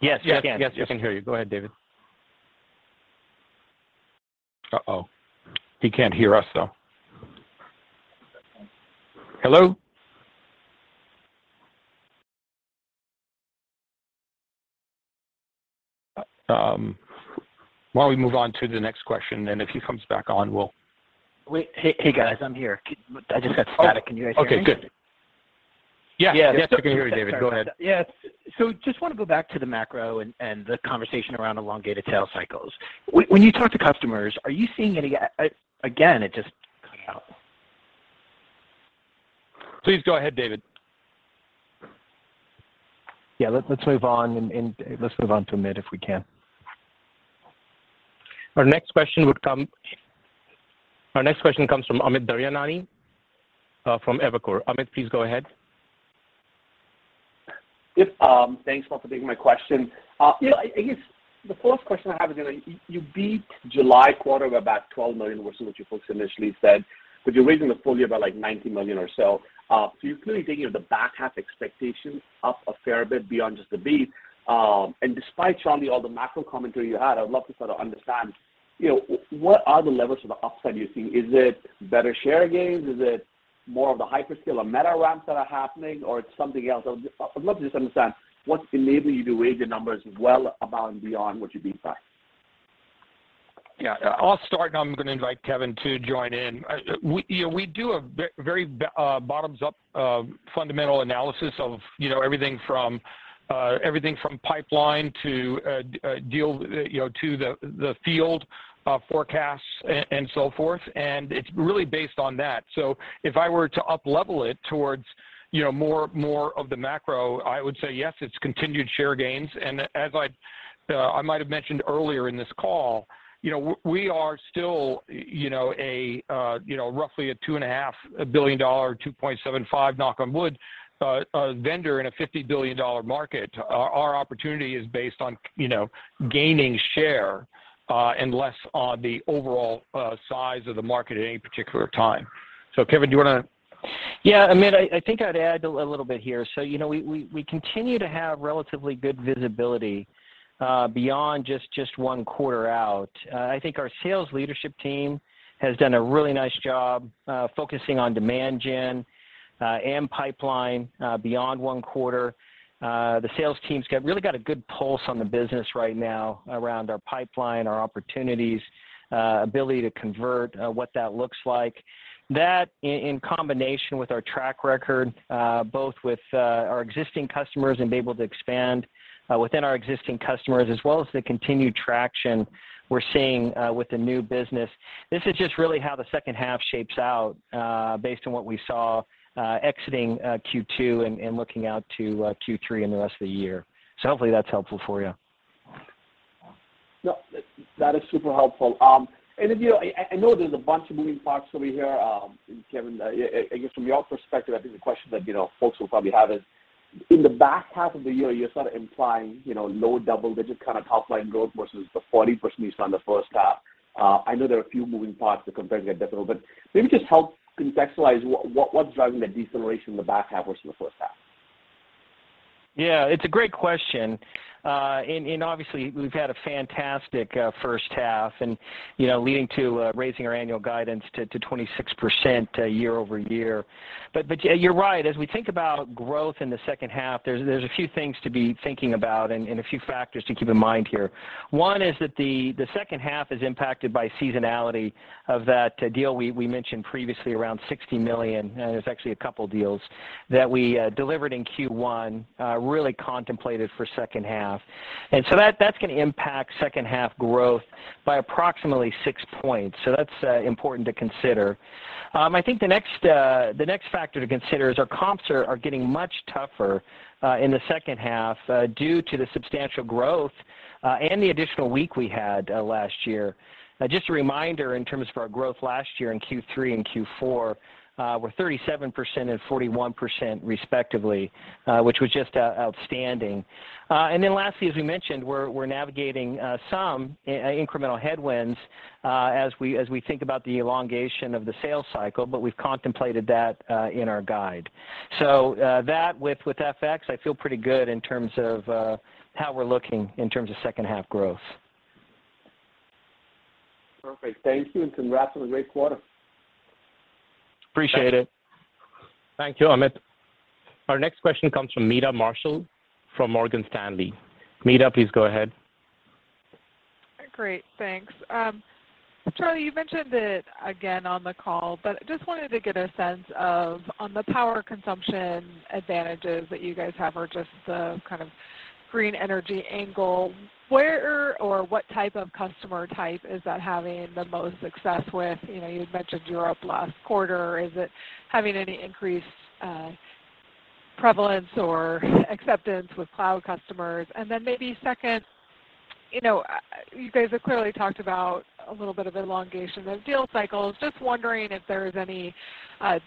Yes, we can. Yes. Yes, we can hear you. Go ahead, David. He can't hear us, though. Hello? Why don't we move on to the next question, and if he comes back on, we'll. Wait. Hey, hey, guys. I'm here. I just got static. Can you guys hear me? Okay, good. Yeah. Yeah. Yes, we can hear you, David. Go ahead. Yeah. Just wanna go back to the macro and the conversation around elongated sales cycles. When you talk to customers, are you seeing any? Again, it just cut out. Please go ahead, David. Yeah, let's move on to Amit if we can. Our next question comes from Amit Daryanani from Evercore. Amit, please go ahead. Yep, thanks a lot for taking my question. I guess the first question I have is, you know, you beat July quarter of about $12 million versus what you folks initially said, but you're raising the full year by, like, $90 million or so. You're clearly thinking of the back half expectations up a fair bit beyond just the beat. Despite, Charlie, all the macro commentary you had, I would love to sort of understand, you know, what are the levels of the upside you're seeing? Is it better share gains? Is it more of the hyperscale or Meta ramps that are happening, or it's something else? I would love to just understand what's enabling you to raise your numbers well above and beyond what you beat by. Yeah, I'll start, and I'm gonna invite Kevan to join in. We, you know, we do a very bottoms up fundamental analysis of everything from pipeline to a deal, you know, to the field forecasts and so forth, and it's really based on that. If I were to uplevel it towards more of the macro, I would say yes, it's continued share gains. As I'd mentioned earlier in this call, you know, we are still, you know, roughly a $2.5 billion, $2.75 billion, knock on wood, vendor in a $50 billion market. Our opportunity is based on, you know, gaining share, and less on the overall size of the market at any particular time. Kevan, do you wanna? Yeah. Amit, I think I'd add a little bit here. You know, we continue to have relatively good visibility beyond just one quarter out. I think our sales leadership team has done a really nice job focusing on demand gen and pipeline beyond one quarter. The sales team really got a good pulse on the business right now around our pipeline, our opportunities, ability to convert, what that looks like. That in combination with our track record, both with our existing customers and be able to expand within our existing customers, as well as the continued traction we're seeing with the new business, this is just really how the second half shapes out, based on what we saw exiting Q2 and looking out to Q3 and the rest of the year. Hopefully that's helpful for you. No, that is super helpful. I know there's a bunch of moving parts over here. Kevan, you know, I guess from your perspective, I think the question that, you know, folks will probably have is in the back half of the year, you're sort of implying, you know, low double-digit kind of top line growth versus the 40% you saw in the first half. I know there are a few moving parts to comparing that, but maybe just help contextualize what's driving the deceleration in the back half versus the first half. Yeah, it's a great question. And obviously we've had a fantastic first half and, you know, leading to raising our annual guidance to 26% year-over-year. Yeah, you're right. As we think about growth in the second half, there's a few things to be thinking about and a few factors to keep in mind here. One is that the second half is impacted by seasonality of that deal we mentioned previously around $60 million. There's actually a couple deals that we delivered in Q1 really contemplated for second half. That's gonna impact second half growth by approximately 6 points. That's important to consider. I think the next factor to consider is our comps are getting much tougher in the second half due to the substantial growth and the additional week we had last year. Just a reminder in terms of our growth last year in Q3 and Q4 were 37% and 41% respectively, which was just outstanding. Lastly, as we mentioned, we're navigating some incremental headwinds as we think about the elongation of the sales cycle, but we've contemplated that in our guide. That with FX, I feel pretty good in terms of how we're looking in terms of second half growth. Perfect. Thank you, and congrats on a great quarter. Appreciate it. Thank you, Amit. Our next question comes from Meta Marshall from Morgan Stanley. Meta, please go ahead. Great. Thanks. Charlie, you mentioned it again on the call, but just wanted to get a sense of on the power consumption advantages that you guys have or just the kind of green energy angle, where or what type of customer type is that having the most success with? You know, you had mentioned Europe last quarter. Is it having any increased prevalence or acceptance with cloud customers? And then maybe second, you know, you guys have clearly talked about a little bit of elongation in deal cycles. Just wondering if there is any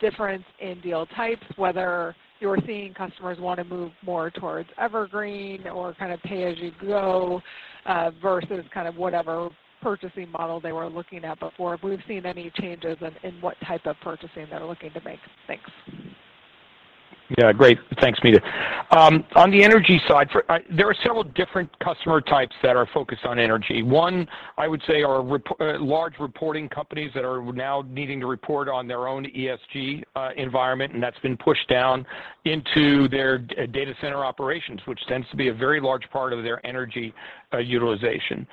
difference in deal types, whether you're seeing customers wanna move more towards Evergreen or kind of pay-as-you-go versus kind of whatever purchasing model they were looking at before. If we've seen any changes in what type of purchasing they're looking to make. Thanks. Yeah. Great. Thanks, Meta. On the energy side, there are several different customer types that are focused on energy. One, I would say are large reporting companies that are now needing to report on their own ESG environment, and that's been pushed down into their data center operations, which tends to be a very large part of their energy utilization.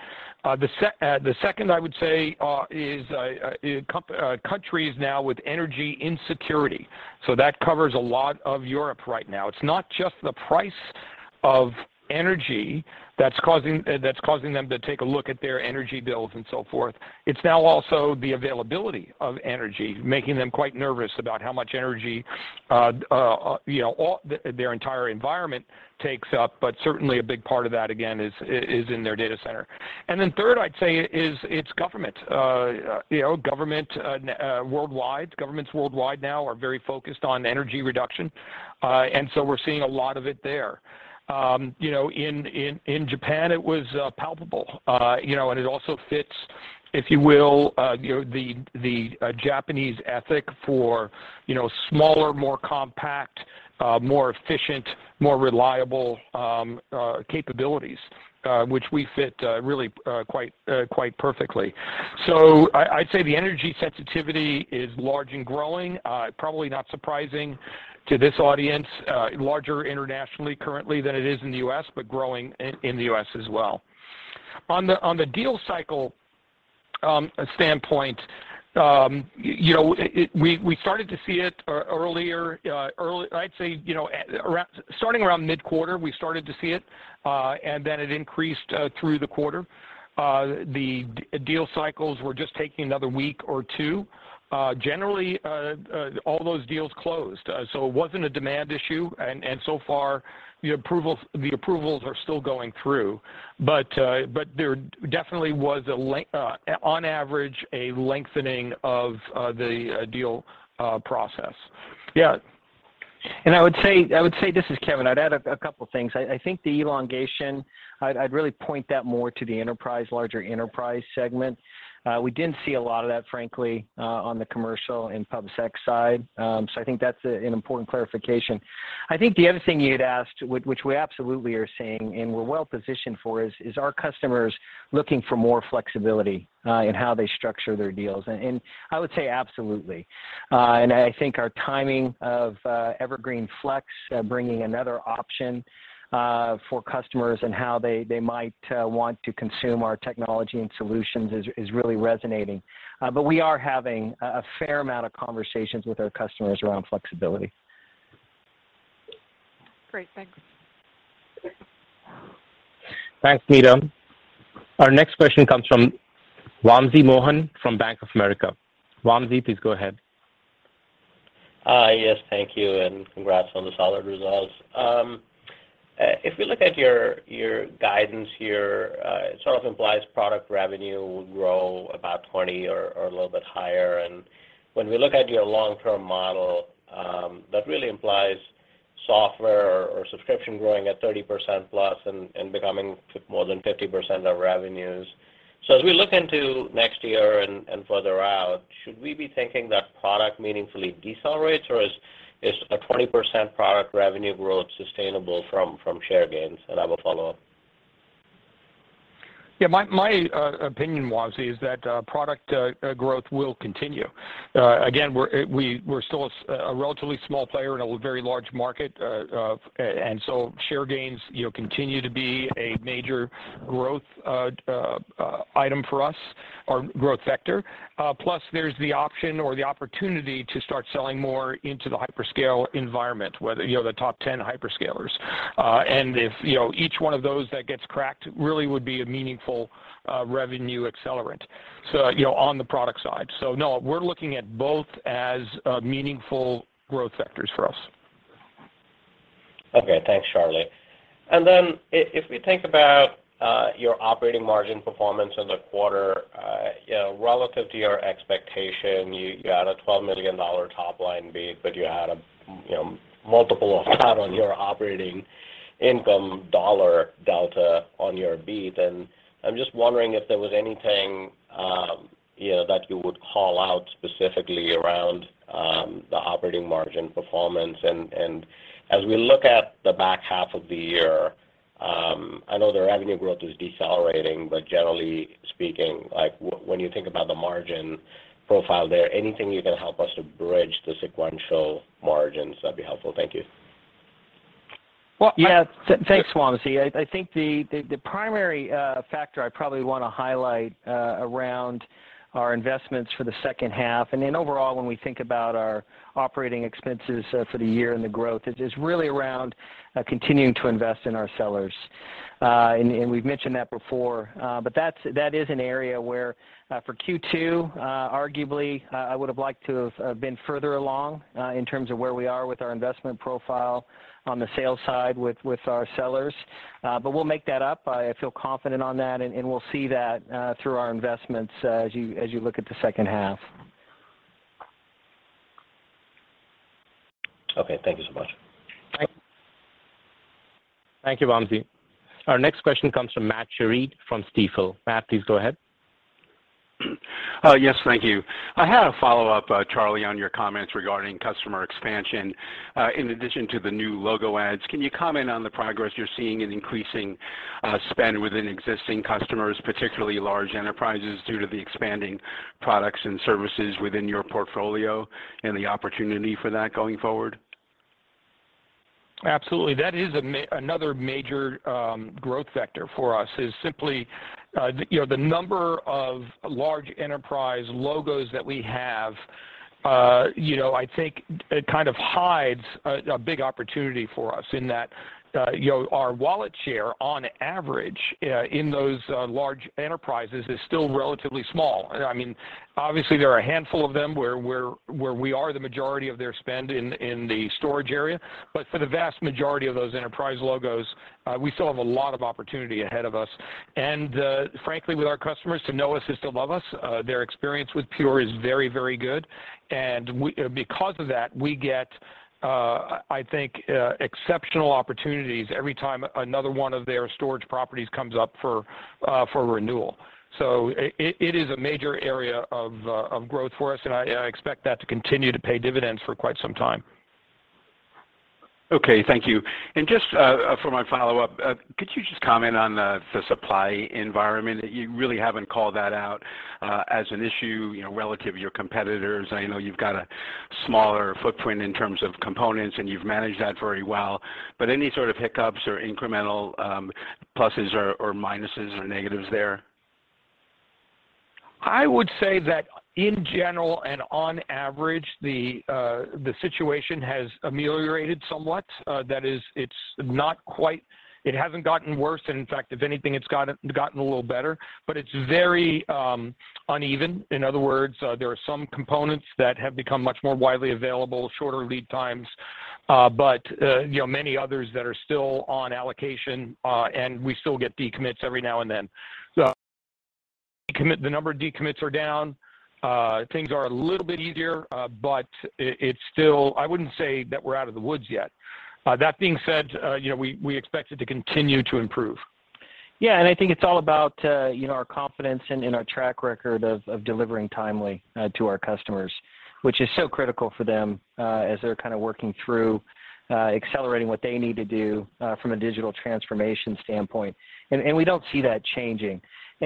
The second I would say is countries now with energy insecurity. That covers a lot of Europe right now. It's not just the price of energy. That's causing them to take a look at their energy bills and so forth. It's now also the availability of energy, making them quite nervous about how much energy you know their entire environment takes up, but certainly a big part of that, again, is in their data center. Then third, I'd say it's government worldwide. Governments worldwide now are very focused on energy reduction, and so we're seeing a lot of it there. You know, in Japan, it was palpable. You know, and it also fits, if you will, you know, the Japanese ethic for you know smaller, more compact, more efficient, more reliable capabilities, which we fit really quite perfectly. I'd say the energy sensitivity is large and growing. Probably not surprising to this audience, larger internationally currently than it is in the U.S., but growing in the U.S. as well. On the deal cycle standpoint, you know, we started to see it earlier. I'd say, you know, starting around mid-quarter, we started to see it, and then it increased through the quarter. The deal cycles were just taking another week or two. Generally, all those deals closed, so it wasn't a demand issue, and so far the approvals are still going through. There definitely was, on average, a lengthening of the deal process. Yeah. I would say, this is Kevan. I'd add a couple things. I think the elongation, I'd really point that more to the enterprise, larger enterprise segment. We didn't see a lot of that frankly on the commercial and pub sec side. I think that's an important clarification. I think the other thing you'd asked which we absolutely are seeing and we're well-positioned for is our customers looking for more flexibility in how they structure their deals. I would say absolutely. I think our timing of Evergreen//Flex bringing another option for customers and how they might want to consume our technology and solutions is really resonating. We are having a fair amount of conversations with our customers around flexibility. Great. Thanks. Thanks, Meta. Our next question comes from Wamsi Mohan from Bank of America. Wamsi, please go ahead. Yes. Thank you, and congrats on the solid results. If we look at your guidance here, it sort of implies product revenue will grow about 20% or a little bit higher. When we look at your long-term model, that really implies software or subscription growing at +30% and becoming more than 50% of revenues. As we look into next year and further out, should we be thinking that product meaningfully decelerates, or is a 20% product revenue growth sustainable from share gains? I have a follow-up. Yeah. My opinion, Wamsi, is that product growth will continue. Again, we're still a relatively small player in a very large market. Share gains, you know, continue to be a major growth item for us, or growth vector. Plus there's the option or the opportunity to start selling more into the hyperscale environment, whether you know, the top ten hyperscalers. If you know, each one of those that gets cracked really would be a meaningful revenue accelerant, so you know, on the product side. No, we're looking at both as meaningful growth vectors for us. Okay. Thanks, Charlie. If we think about your operating margin performance in the quarter, you know, relative to your expectation, you got a $12 million top line beat, but you had a, you know, multiple of that on your operating income dollar delta on your beat. I'm just wondering if there was anything, you know, that you would call out specifically around the operating margin performance. As we look at the back half of the year, I know the revenue growth is decelerating, but generally speaking, like when you think about the margin profile there, anything you can help us to bridge the sequential margins, that'd be helpful. Thank you. Thanks, Wamsi. I think the primary factor I probably wanna highlight around our investments for the second half, and then overall when we think about our operating expenses for the year and the growth is really around continuing to invest in our sellers. We've mentioned that before. But that is an area where, for Q2, arguably, I would've liked to have been further along in terms of where we are with our investment profile on the sales side with our sellers. But we'll make that up. I feel confident on that, and we'll see that through our investments as you look at the second half. Okay, thank you so much. Thank you. Thank you, Wamsi. Our next question comes from Matt Sheerin from Stifel. Matt, please go ahead. Yes. Thank you. I had a follow-up, Charles, on your comments regarding customer expansion. In addition to the new logo adds, can you comment on the progress you're seeing in increasing spend within existing customers, particularly large enterprises, due to the expanding products and services within your portfolio and the opportunity for that going forward? Absolutely. That is another major growth vector for us is simply the you know the number of large enterprise logos that we have. You know, I think it kind of hides a big opportunity for us in that you know our wallet share on average in those large enterprises is still relatively small. I mean, obviously there are a handful of them where we are the majority of their spend in the storage area. For the vast majority of those enterprise logos we still have a lot of opportunity ahead of us. Frankly, with our customers to know us is to love us. Their experience with Pure is very, very good. Because of that, we get, I think, exceptional opportunities every time another one of their storage properties comes up for renewal. It is a major area of growth for us, and I expect that to continue to pay dividends for quite some time. Okay. Thank you. Just for my follow-up, could you just comment on the supply environment? You really haven't called that out as an issue, you know, relative to your competitors. I know you've got a smaller footprint in terms of components, and you've managed that very well. But any sort of hiccups or incremental pluses or minuses or negatives there? I would say that in general and on average, the situation has ameliorated somewhat. That is, it hasn't gotten worse, and in fact, if anything, it's gotten a little better, but it's very uneven. In other words, there are some components that have become much more widely available, shorter lead times, but you know, many others that are still on allocation, and we still get decommits every now and then. The number of decommits are down. Things are a little bit easier, but it's still. I wouldn't say that we're out of the woods yet. That being said, you know, we expect it to continue to improve. Yeah. I think it's all about, you know, our confidence in our track record of delivering timely to our customers, which is so critical for them, as they're kind of working through accelerating what they need to do from a digital transformation standpoint. We don't see that changing.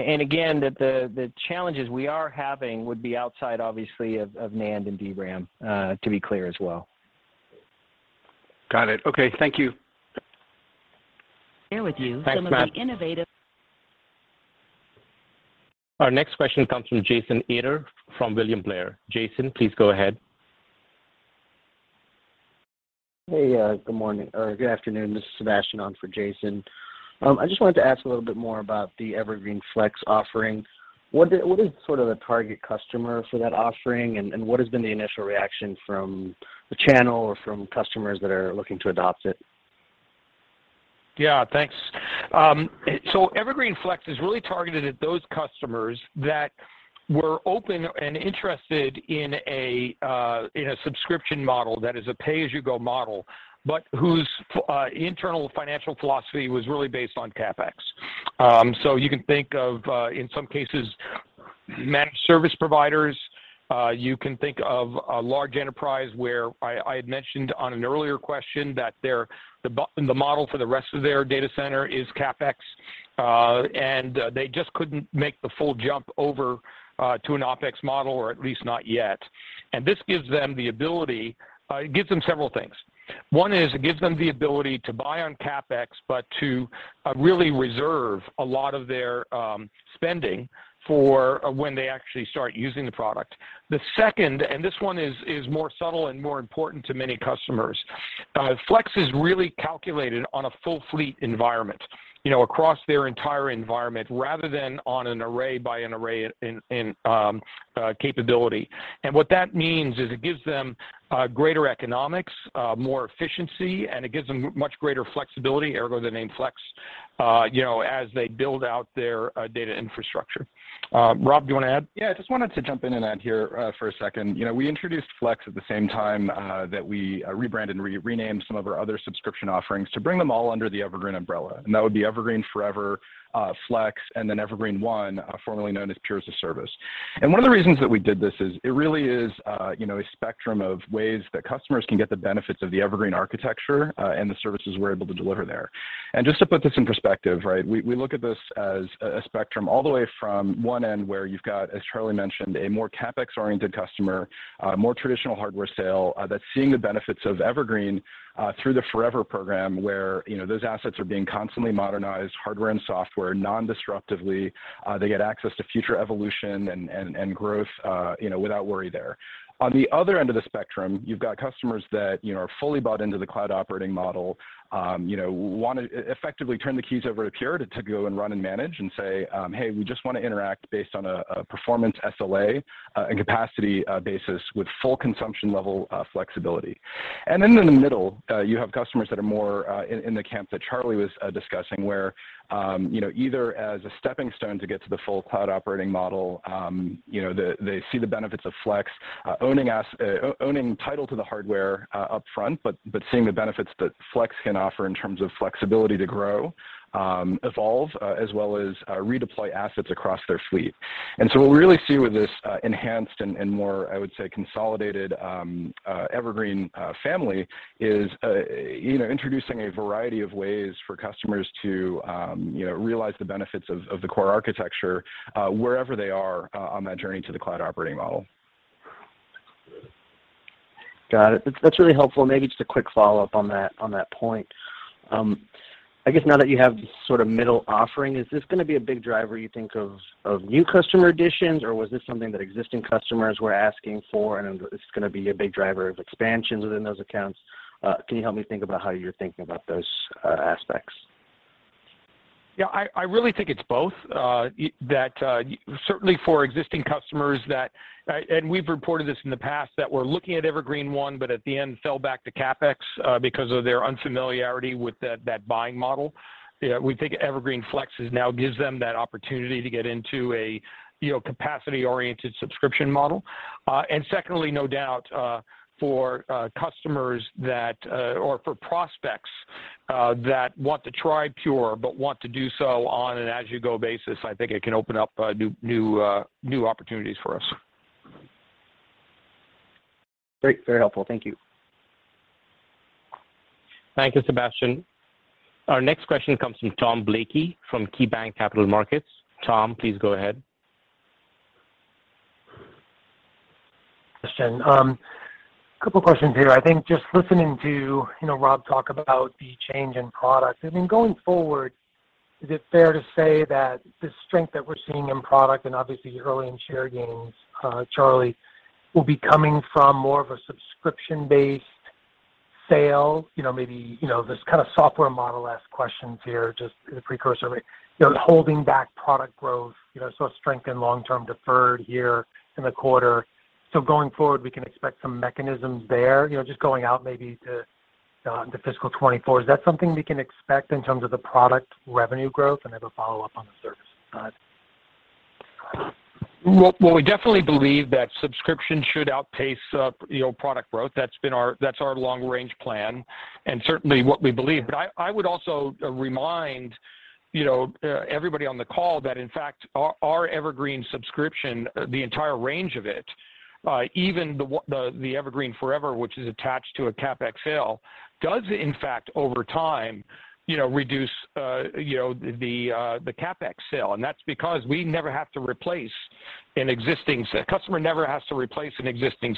Again, the challenges we are having would be outside obviously of NAND and DRAM, to be clear as well. Got it. Okay. Thank you. Thanks, Matt. Our next question comes from Jason Ader from William Blair. Jason, please go ahead. Hey, good morning, or good afternoon. This is Sebastian on for Jason. I just wanted to ask a little bit more about the Evergreen//Flex offering. What is sort of the target customer for that offering? What has been the initial reaction from the channel or from customers that are looking to adopt it? Yeah, thanks. So Evergreen//Flex is really targeted at those customers that were open and interested in a, in a subscription model that is a pay-as-you-go model, but whose internal financial philosophy was really based on CapEx. So you can think of, in some cases, managed service providers. You can think of a large enterprise where I had mentioned on an earlier question that their, the model for the rest of their data center is CapEx, and, they just couldn't make the full jump over, to an OpEx model, or at least not yet. This gives them the ability, it gives them several things. One is it gives them the ability to buy on CapEx, but to, really reserve a lot of their, spending for when they actually start using the product. The second, and this one is more subtle and more important to many customers. Flex is really calculated on a full fleet environment, you know, across their entire environment, rather than on an array by an array capability. What that means is it gives them greater economics, more efficiency, and it gives them much greater flexibility, ergo the name Flex, you know, as they build out their data infrastructure. Rob, do you want to add? Yeah, I just wanted to jump in and add here for a second. You know, we introduced Flex at the same time that we rebranded and re-renamed some of our other subscription offerings to bring them all under the Evergreen umbrella. That would be Evergreen//Forever, Flex, and then Evergreen//One, formerly known as Pure as-a-Service. One of the reasons that we did this is it really is, you know, a spectrum of ways that customers can get the benefits of the Evergreen architecture and the services we're able to deliver there. Just to put this in perspective, right? We look at this as a spectrum all the way from one end, where you've got, as Charlie mentioned, a more CapEx-oriented customer, more traditional hardware sale, that's seeing the benefits of Evergreen, through the Forever program, where, you know, those assets are being constantly modernized, hardware and software, non-disruptively. They get access to future evolution and growth, you know, without worry there. On the other end of the spectrum, you've got customers that, you know, are fully bought into the cloud operating model, you know, want to effectively turn the keys over to Pure to go and run and manage and say, "Hey, we just want to interact based on a performance SLA and capacity basis with full consumption level flexibility." Then in the middle, you have customers that are more in the camp that Charlie was discussing, where, you know, either as a stepping stone to get to the full cloud operating model, you know, they see the benefits of Flex, owning title to the hardware upfront, but seeing the benefits that Flex can offer in terms of flexibility to grow, evolve, as well as redeploy assets across their fleet. What we really see with this enhanced and more, I would say, consolidated Evergreen family is you know introducing a variety of ways for customers to you know realize the benefits of the core architecture wherever they are on that journey to the cloud operating model. Got it. That's really helpful. Maybe just a quick follow-up on that point. I guess now that you have sort of middle offering, is this gonna be a big driver, you think, of new customer additions, or was this something that existing customers were asking for, and it's gonna be a big driver of expansions within those accounts? Can you help me think about how you're thinking about those aspects? Yeah. I really think it's both. Certainly for existing customers that we've reported this in the past, that we're looking at Evergreen//One, but at the end, fell back to CapEx because of their unfamiliarity with that buying model. Yeah, we think Evergreen//Flex is now gives them that opportunity to get into a, you know, capacity-oriented subscription model. Secondly, no doubt, for customers that or for prospects that want to try Pure, but want to do so on an as-you-go basis, I think it can open up new opportunities for us. Great. Very helpful. Thank you. Thank you, Sebastian. Our next question comes from Tom Blakey from KeyBanc Capital Markets. Tom, please go ahead. Couple questions here. I think just listening to, you know, Rob talk about the change in product, I mean, going forward, is it fair to say that the strength that we're seeing in product and obviously early in share gains, Charlie, will be coming from more of a subscription-based sale? You know, maybe, you know, this kind of software model as the precursor. You know, holding back product growth, you know, saw strength in long-term deferred here in the quarter. Going forward, we can expect some mechanisms there. You know, just going out maybe to fiscal 2024. Is that something we can expect in terms of the product revenue growth? Then a follow-up on the service side. Well, we definitely believe that subscription should outpace, you know, product growth. That's our long range plan and certainly what we believe. I would also remind, you know, everybody on the call that in fact our Evergreen subscription, the entire range of it, even the Evergreen//Forever, which is attached to a CapEx sale, does in fact over time, you know, reduce the CapEx sale. That's because customer never has to replace an existing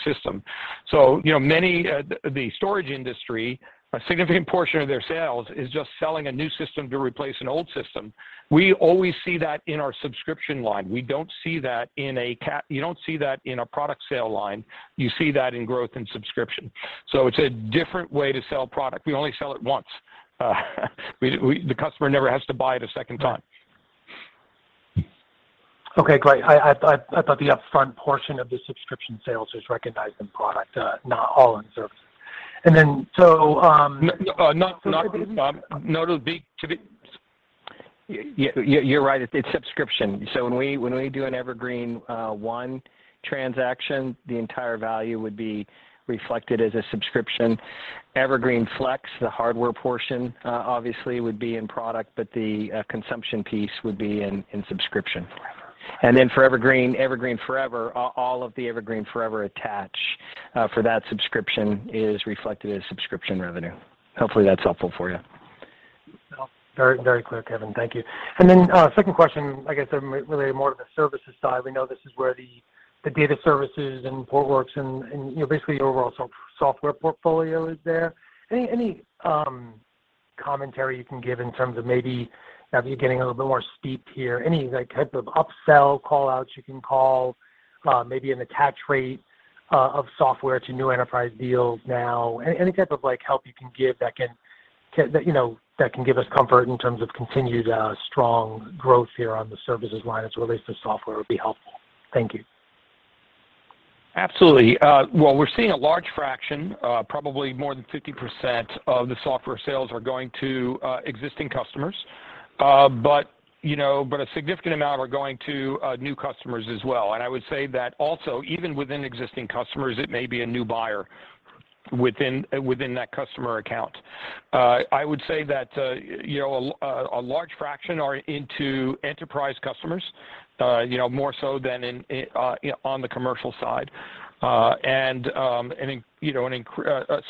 system. You know, the storage industry, a significant portion of their sales is just selling a new system to replace an old system. We always see that in our subscription line. You don't see that in a product sale line. You see that in growth in subscription. It's a different way to sell product. We only sell it once. The customer never has to buy it a second time. Okay, great. I thought the upfront portion of the subscription sales is recognized in product, not all in service. No, not. No, it'll be. You're right. It's subscription. When we do an Evergreen//One transaction, the entire value would be reflected as a subscription. Evergreen//Flex, the hardware portion obviously would be in product, but the consumption piece would be in subscription. For Evergreen//Forever, all of the Evergreen//Forever attach for that subscription is reflected as subscription revenue. Hopefully, that's helpful for you. Very, very clear, Kevan. Thank you. Second question, I guess really more on the services side. We know this is where the data services and Portworx and, you know, basically your overall software portfolio is there. Any commentary you can give in terms of maybe as you're getting a little bit more steeped here, any like type of upsell call-outs you can call, maybe an attach rate of software to new enterprise deals now? Any type of like help you can give that can give us comfort in terms of continued strong growth here on the services line as it relates to software would be helpful. Thank you. Absolutely. We're seeing a large fraction, probably more than 50% of the software sales are going to existing customers. You know, a significant amount are going to new customers as well. I would say that also, even within existing customers, it may be a new buyer within that customer account. I would say that you know, a large fraction are into enterprise customers, you know, more so than on the commercial side. A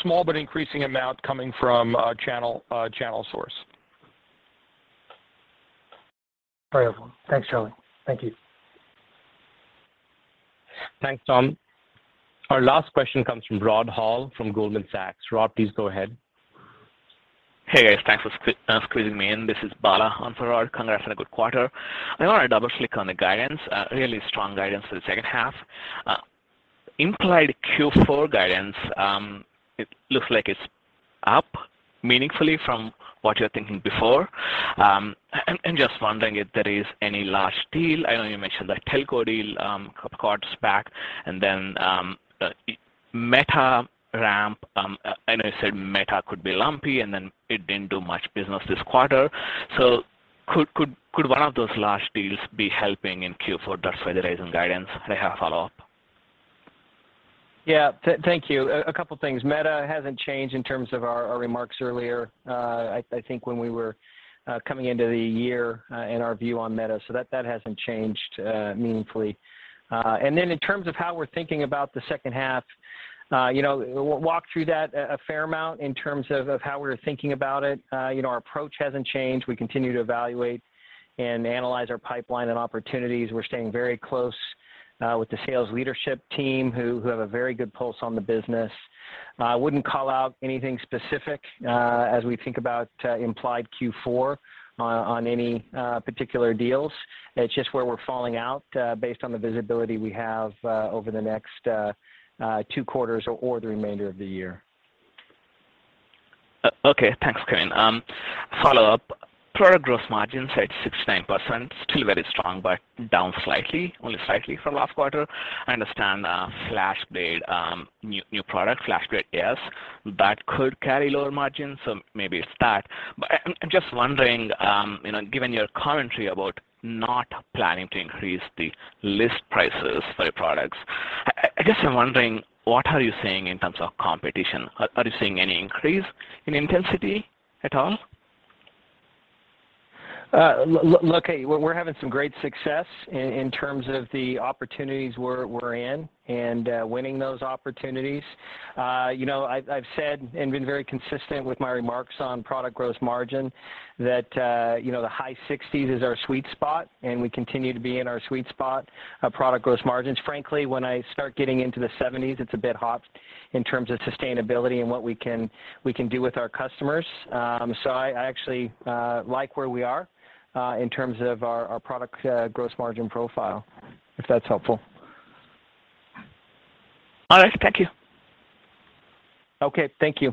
small but increasing amount coming from a channel source. Very helpful. Thanks, Charlie. Thank you. Thanks, Tom. Our last question comes from Rod Hall from Goldman Sachs. Rod, please go ahead. Hey, guys. Thanks for squeezing me in. This is Bala on for Rod. Congrats on a good quarter. I wanna double-click on the guidance, really strong guidance for the second half. Implied Q4 guidance, it looks like it's up meaningfully from what you're thinking before. Just wondering if there is any large deal. I know you mentioned the telco deal, couple of quarters back, and then Meta ramp. I know you said Meta could be lumpy, and then it didn't do much business this quarter. Could one of those large deals be helping in Q4? That's why they're raising guidance. I have a follow-up. Yeah. Thank you. A couple of things. Meta hasn't changed in terms of our remarks earlier. I think when we were coming into the year in our view on Meta. That hasn't changed meaningfully. In terms of how we're thinking about the second half, you know, we'll walk through that a fair amount in terms of how we're thinking about it. You know, our approach hasn't changed. We continue to evaluate and analyze our pipeline and opportunities. We're staying very close with the sales leadership team who have a very good pulse on the business. I wouldn't call out anything specific as we think about implied Q4 on any particular deals. It's just where we're falling out, based on the visibility we have over the next two quarters or the remainder of the year. Okay. Thanks, Kevan. Follow-up. Product gross margin is at 69%, still very strong but down slightly, only slightly from last quarter. I understand FlashBlade, new product, FlashBlade//S, that could carry lower margins, so maybe it's that. I'm just wondering, you know, given your commentary about not planning to increase the list prices for your products, I guess I'm wondering what are you seeing in terms of competition? Are you seeing any increase in intensity at all? Look, we're having some great success in terms of the opportunities we're in and winning those opportunities. You know, I've said and been very consistent with my remarks on product gross margin that you know, the high-60s is our sweet spot, and we continue to be in our sweet spot of product gross margins. Frankly, when I start getting into the 70s, it's a bit hot in terms of sustainability and what we can do with our customers. I actually like where we are in terms of our product gross margin profile, if that's helpful. All right. Thank you. Okay. Thank you.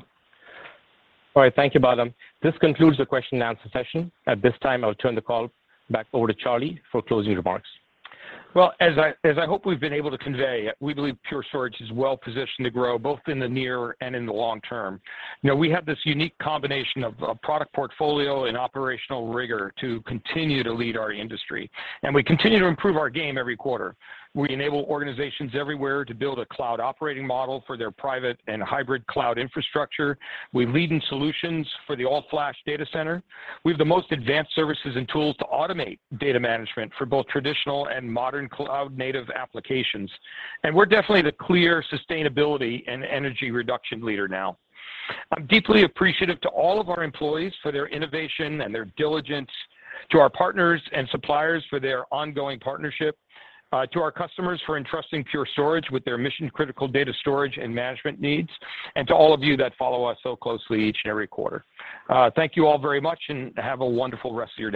All right, thank you, Operator. This concludes the question and answer session. At this time, I'll turn the call back over to Charlie for closing remarks. Well, as I hope we've been able to convey, we believe Pure Storage is well-positioned to grow both in the near and in the long term. You know, we have this unique combination of product portfolio and operational rigor to continue to lead our industry, and we continue to improve our game every quarter. We enable organizations everywhere to build a cloud operating model for their private and hybrid cloud infrastructure. We lead in solutions for the all-flash data center. We have the most advanced services and tools to automate data management for both traditional and modern cloud-native applications. We're definitely the clear sustainability and energy reduction leader now. I'm deeply appreciative to all of our employees for their innovation and their diligence, to our partners and suppliers for their ongoing partnership, to our customers for entrusting Pure Storage with their mission-critical data storage and management needs, and to all of you that follow us so closely each and every quarter. Thank you all very much, and have a wonderful rest of your day.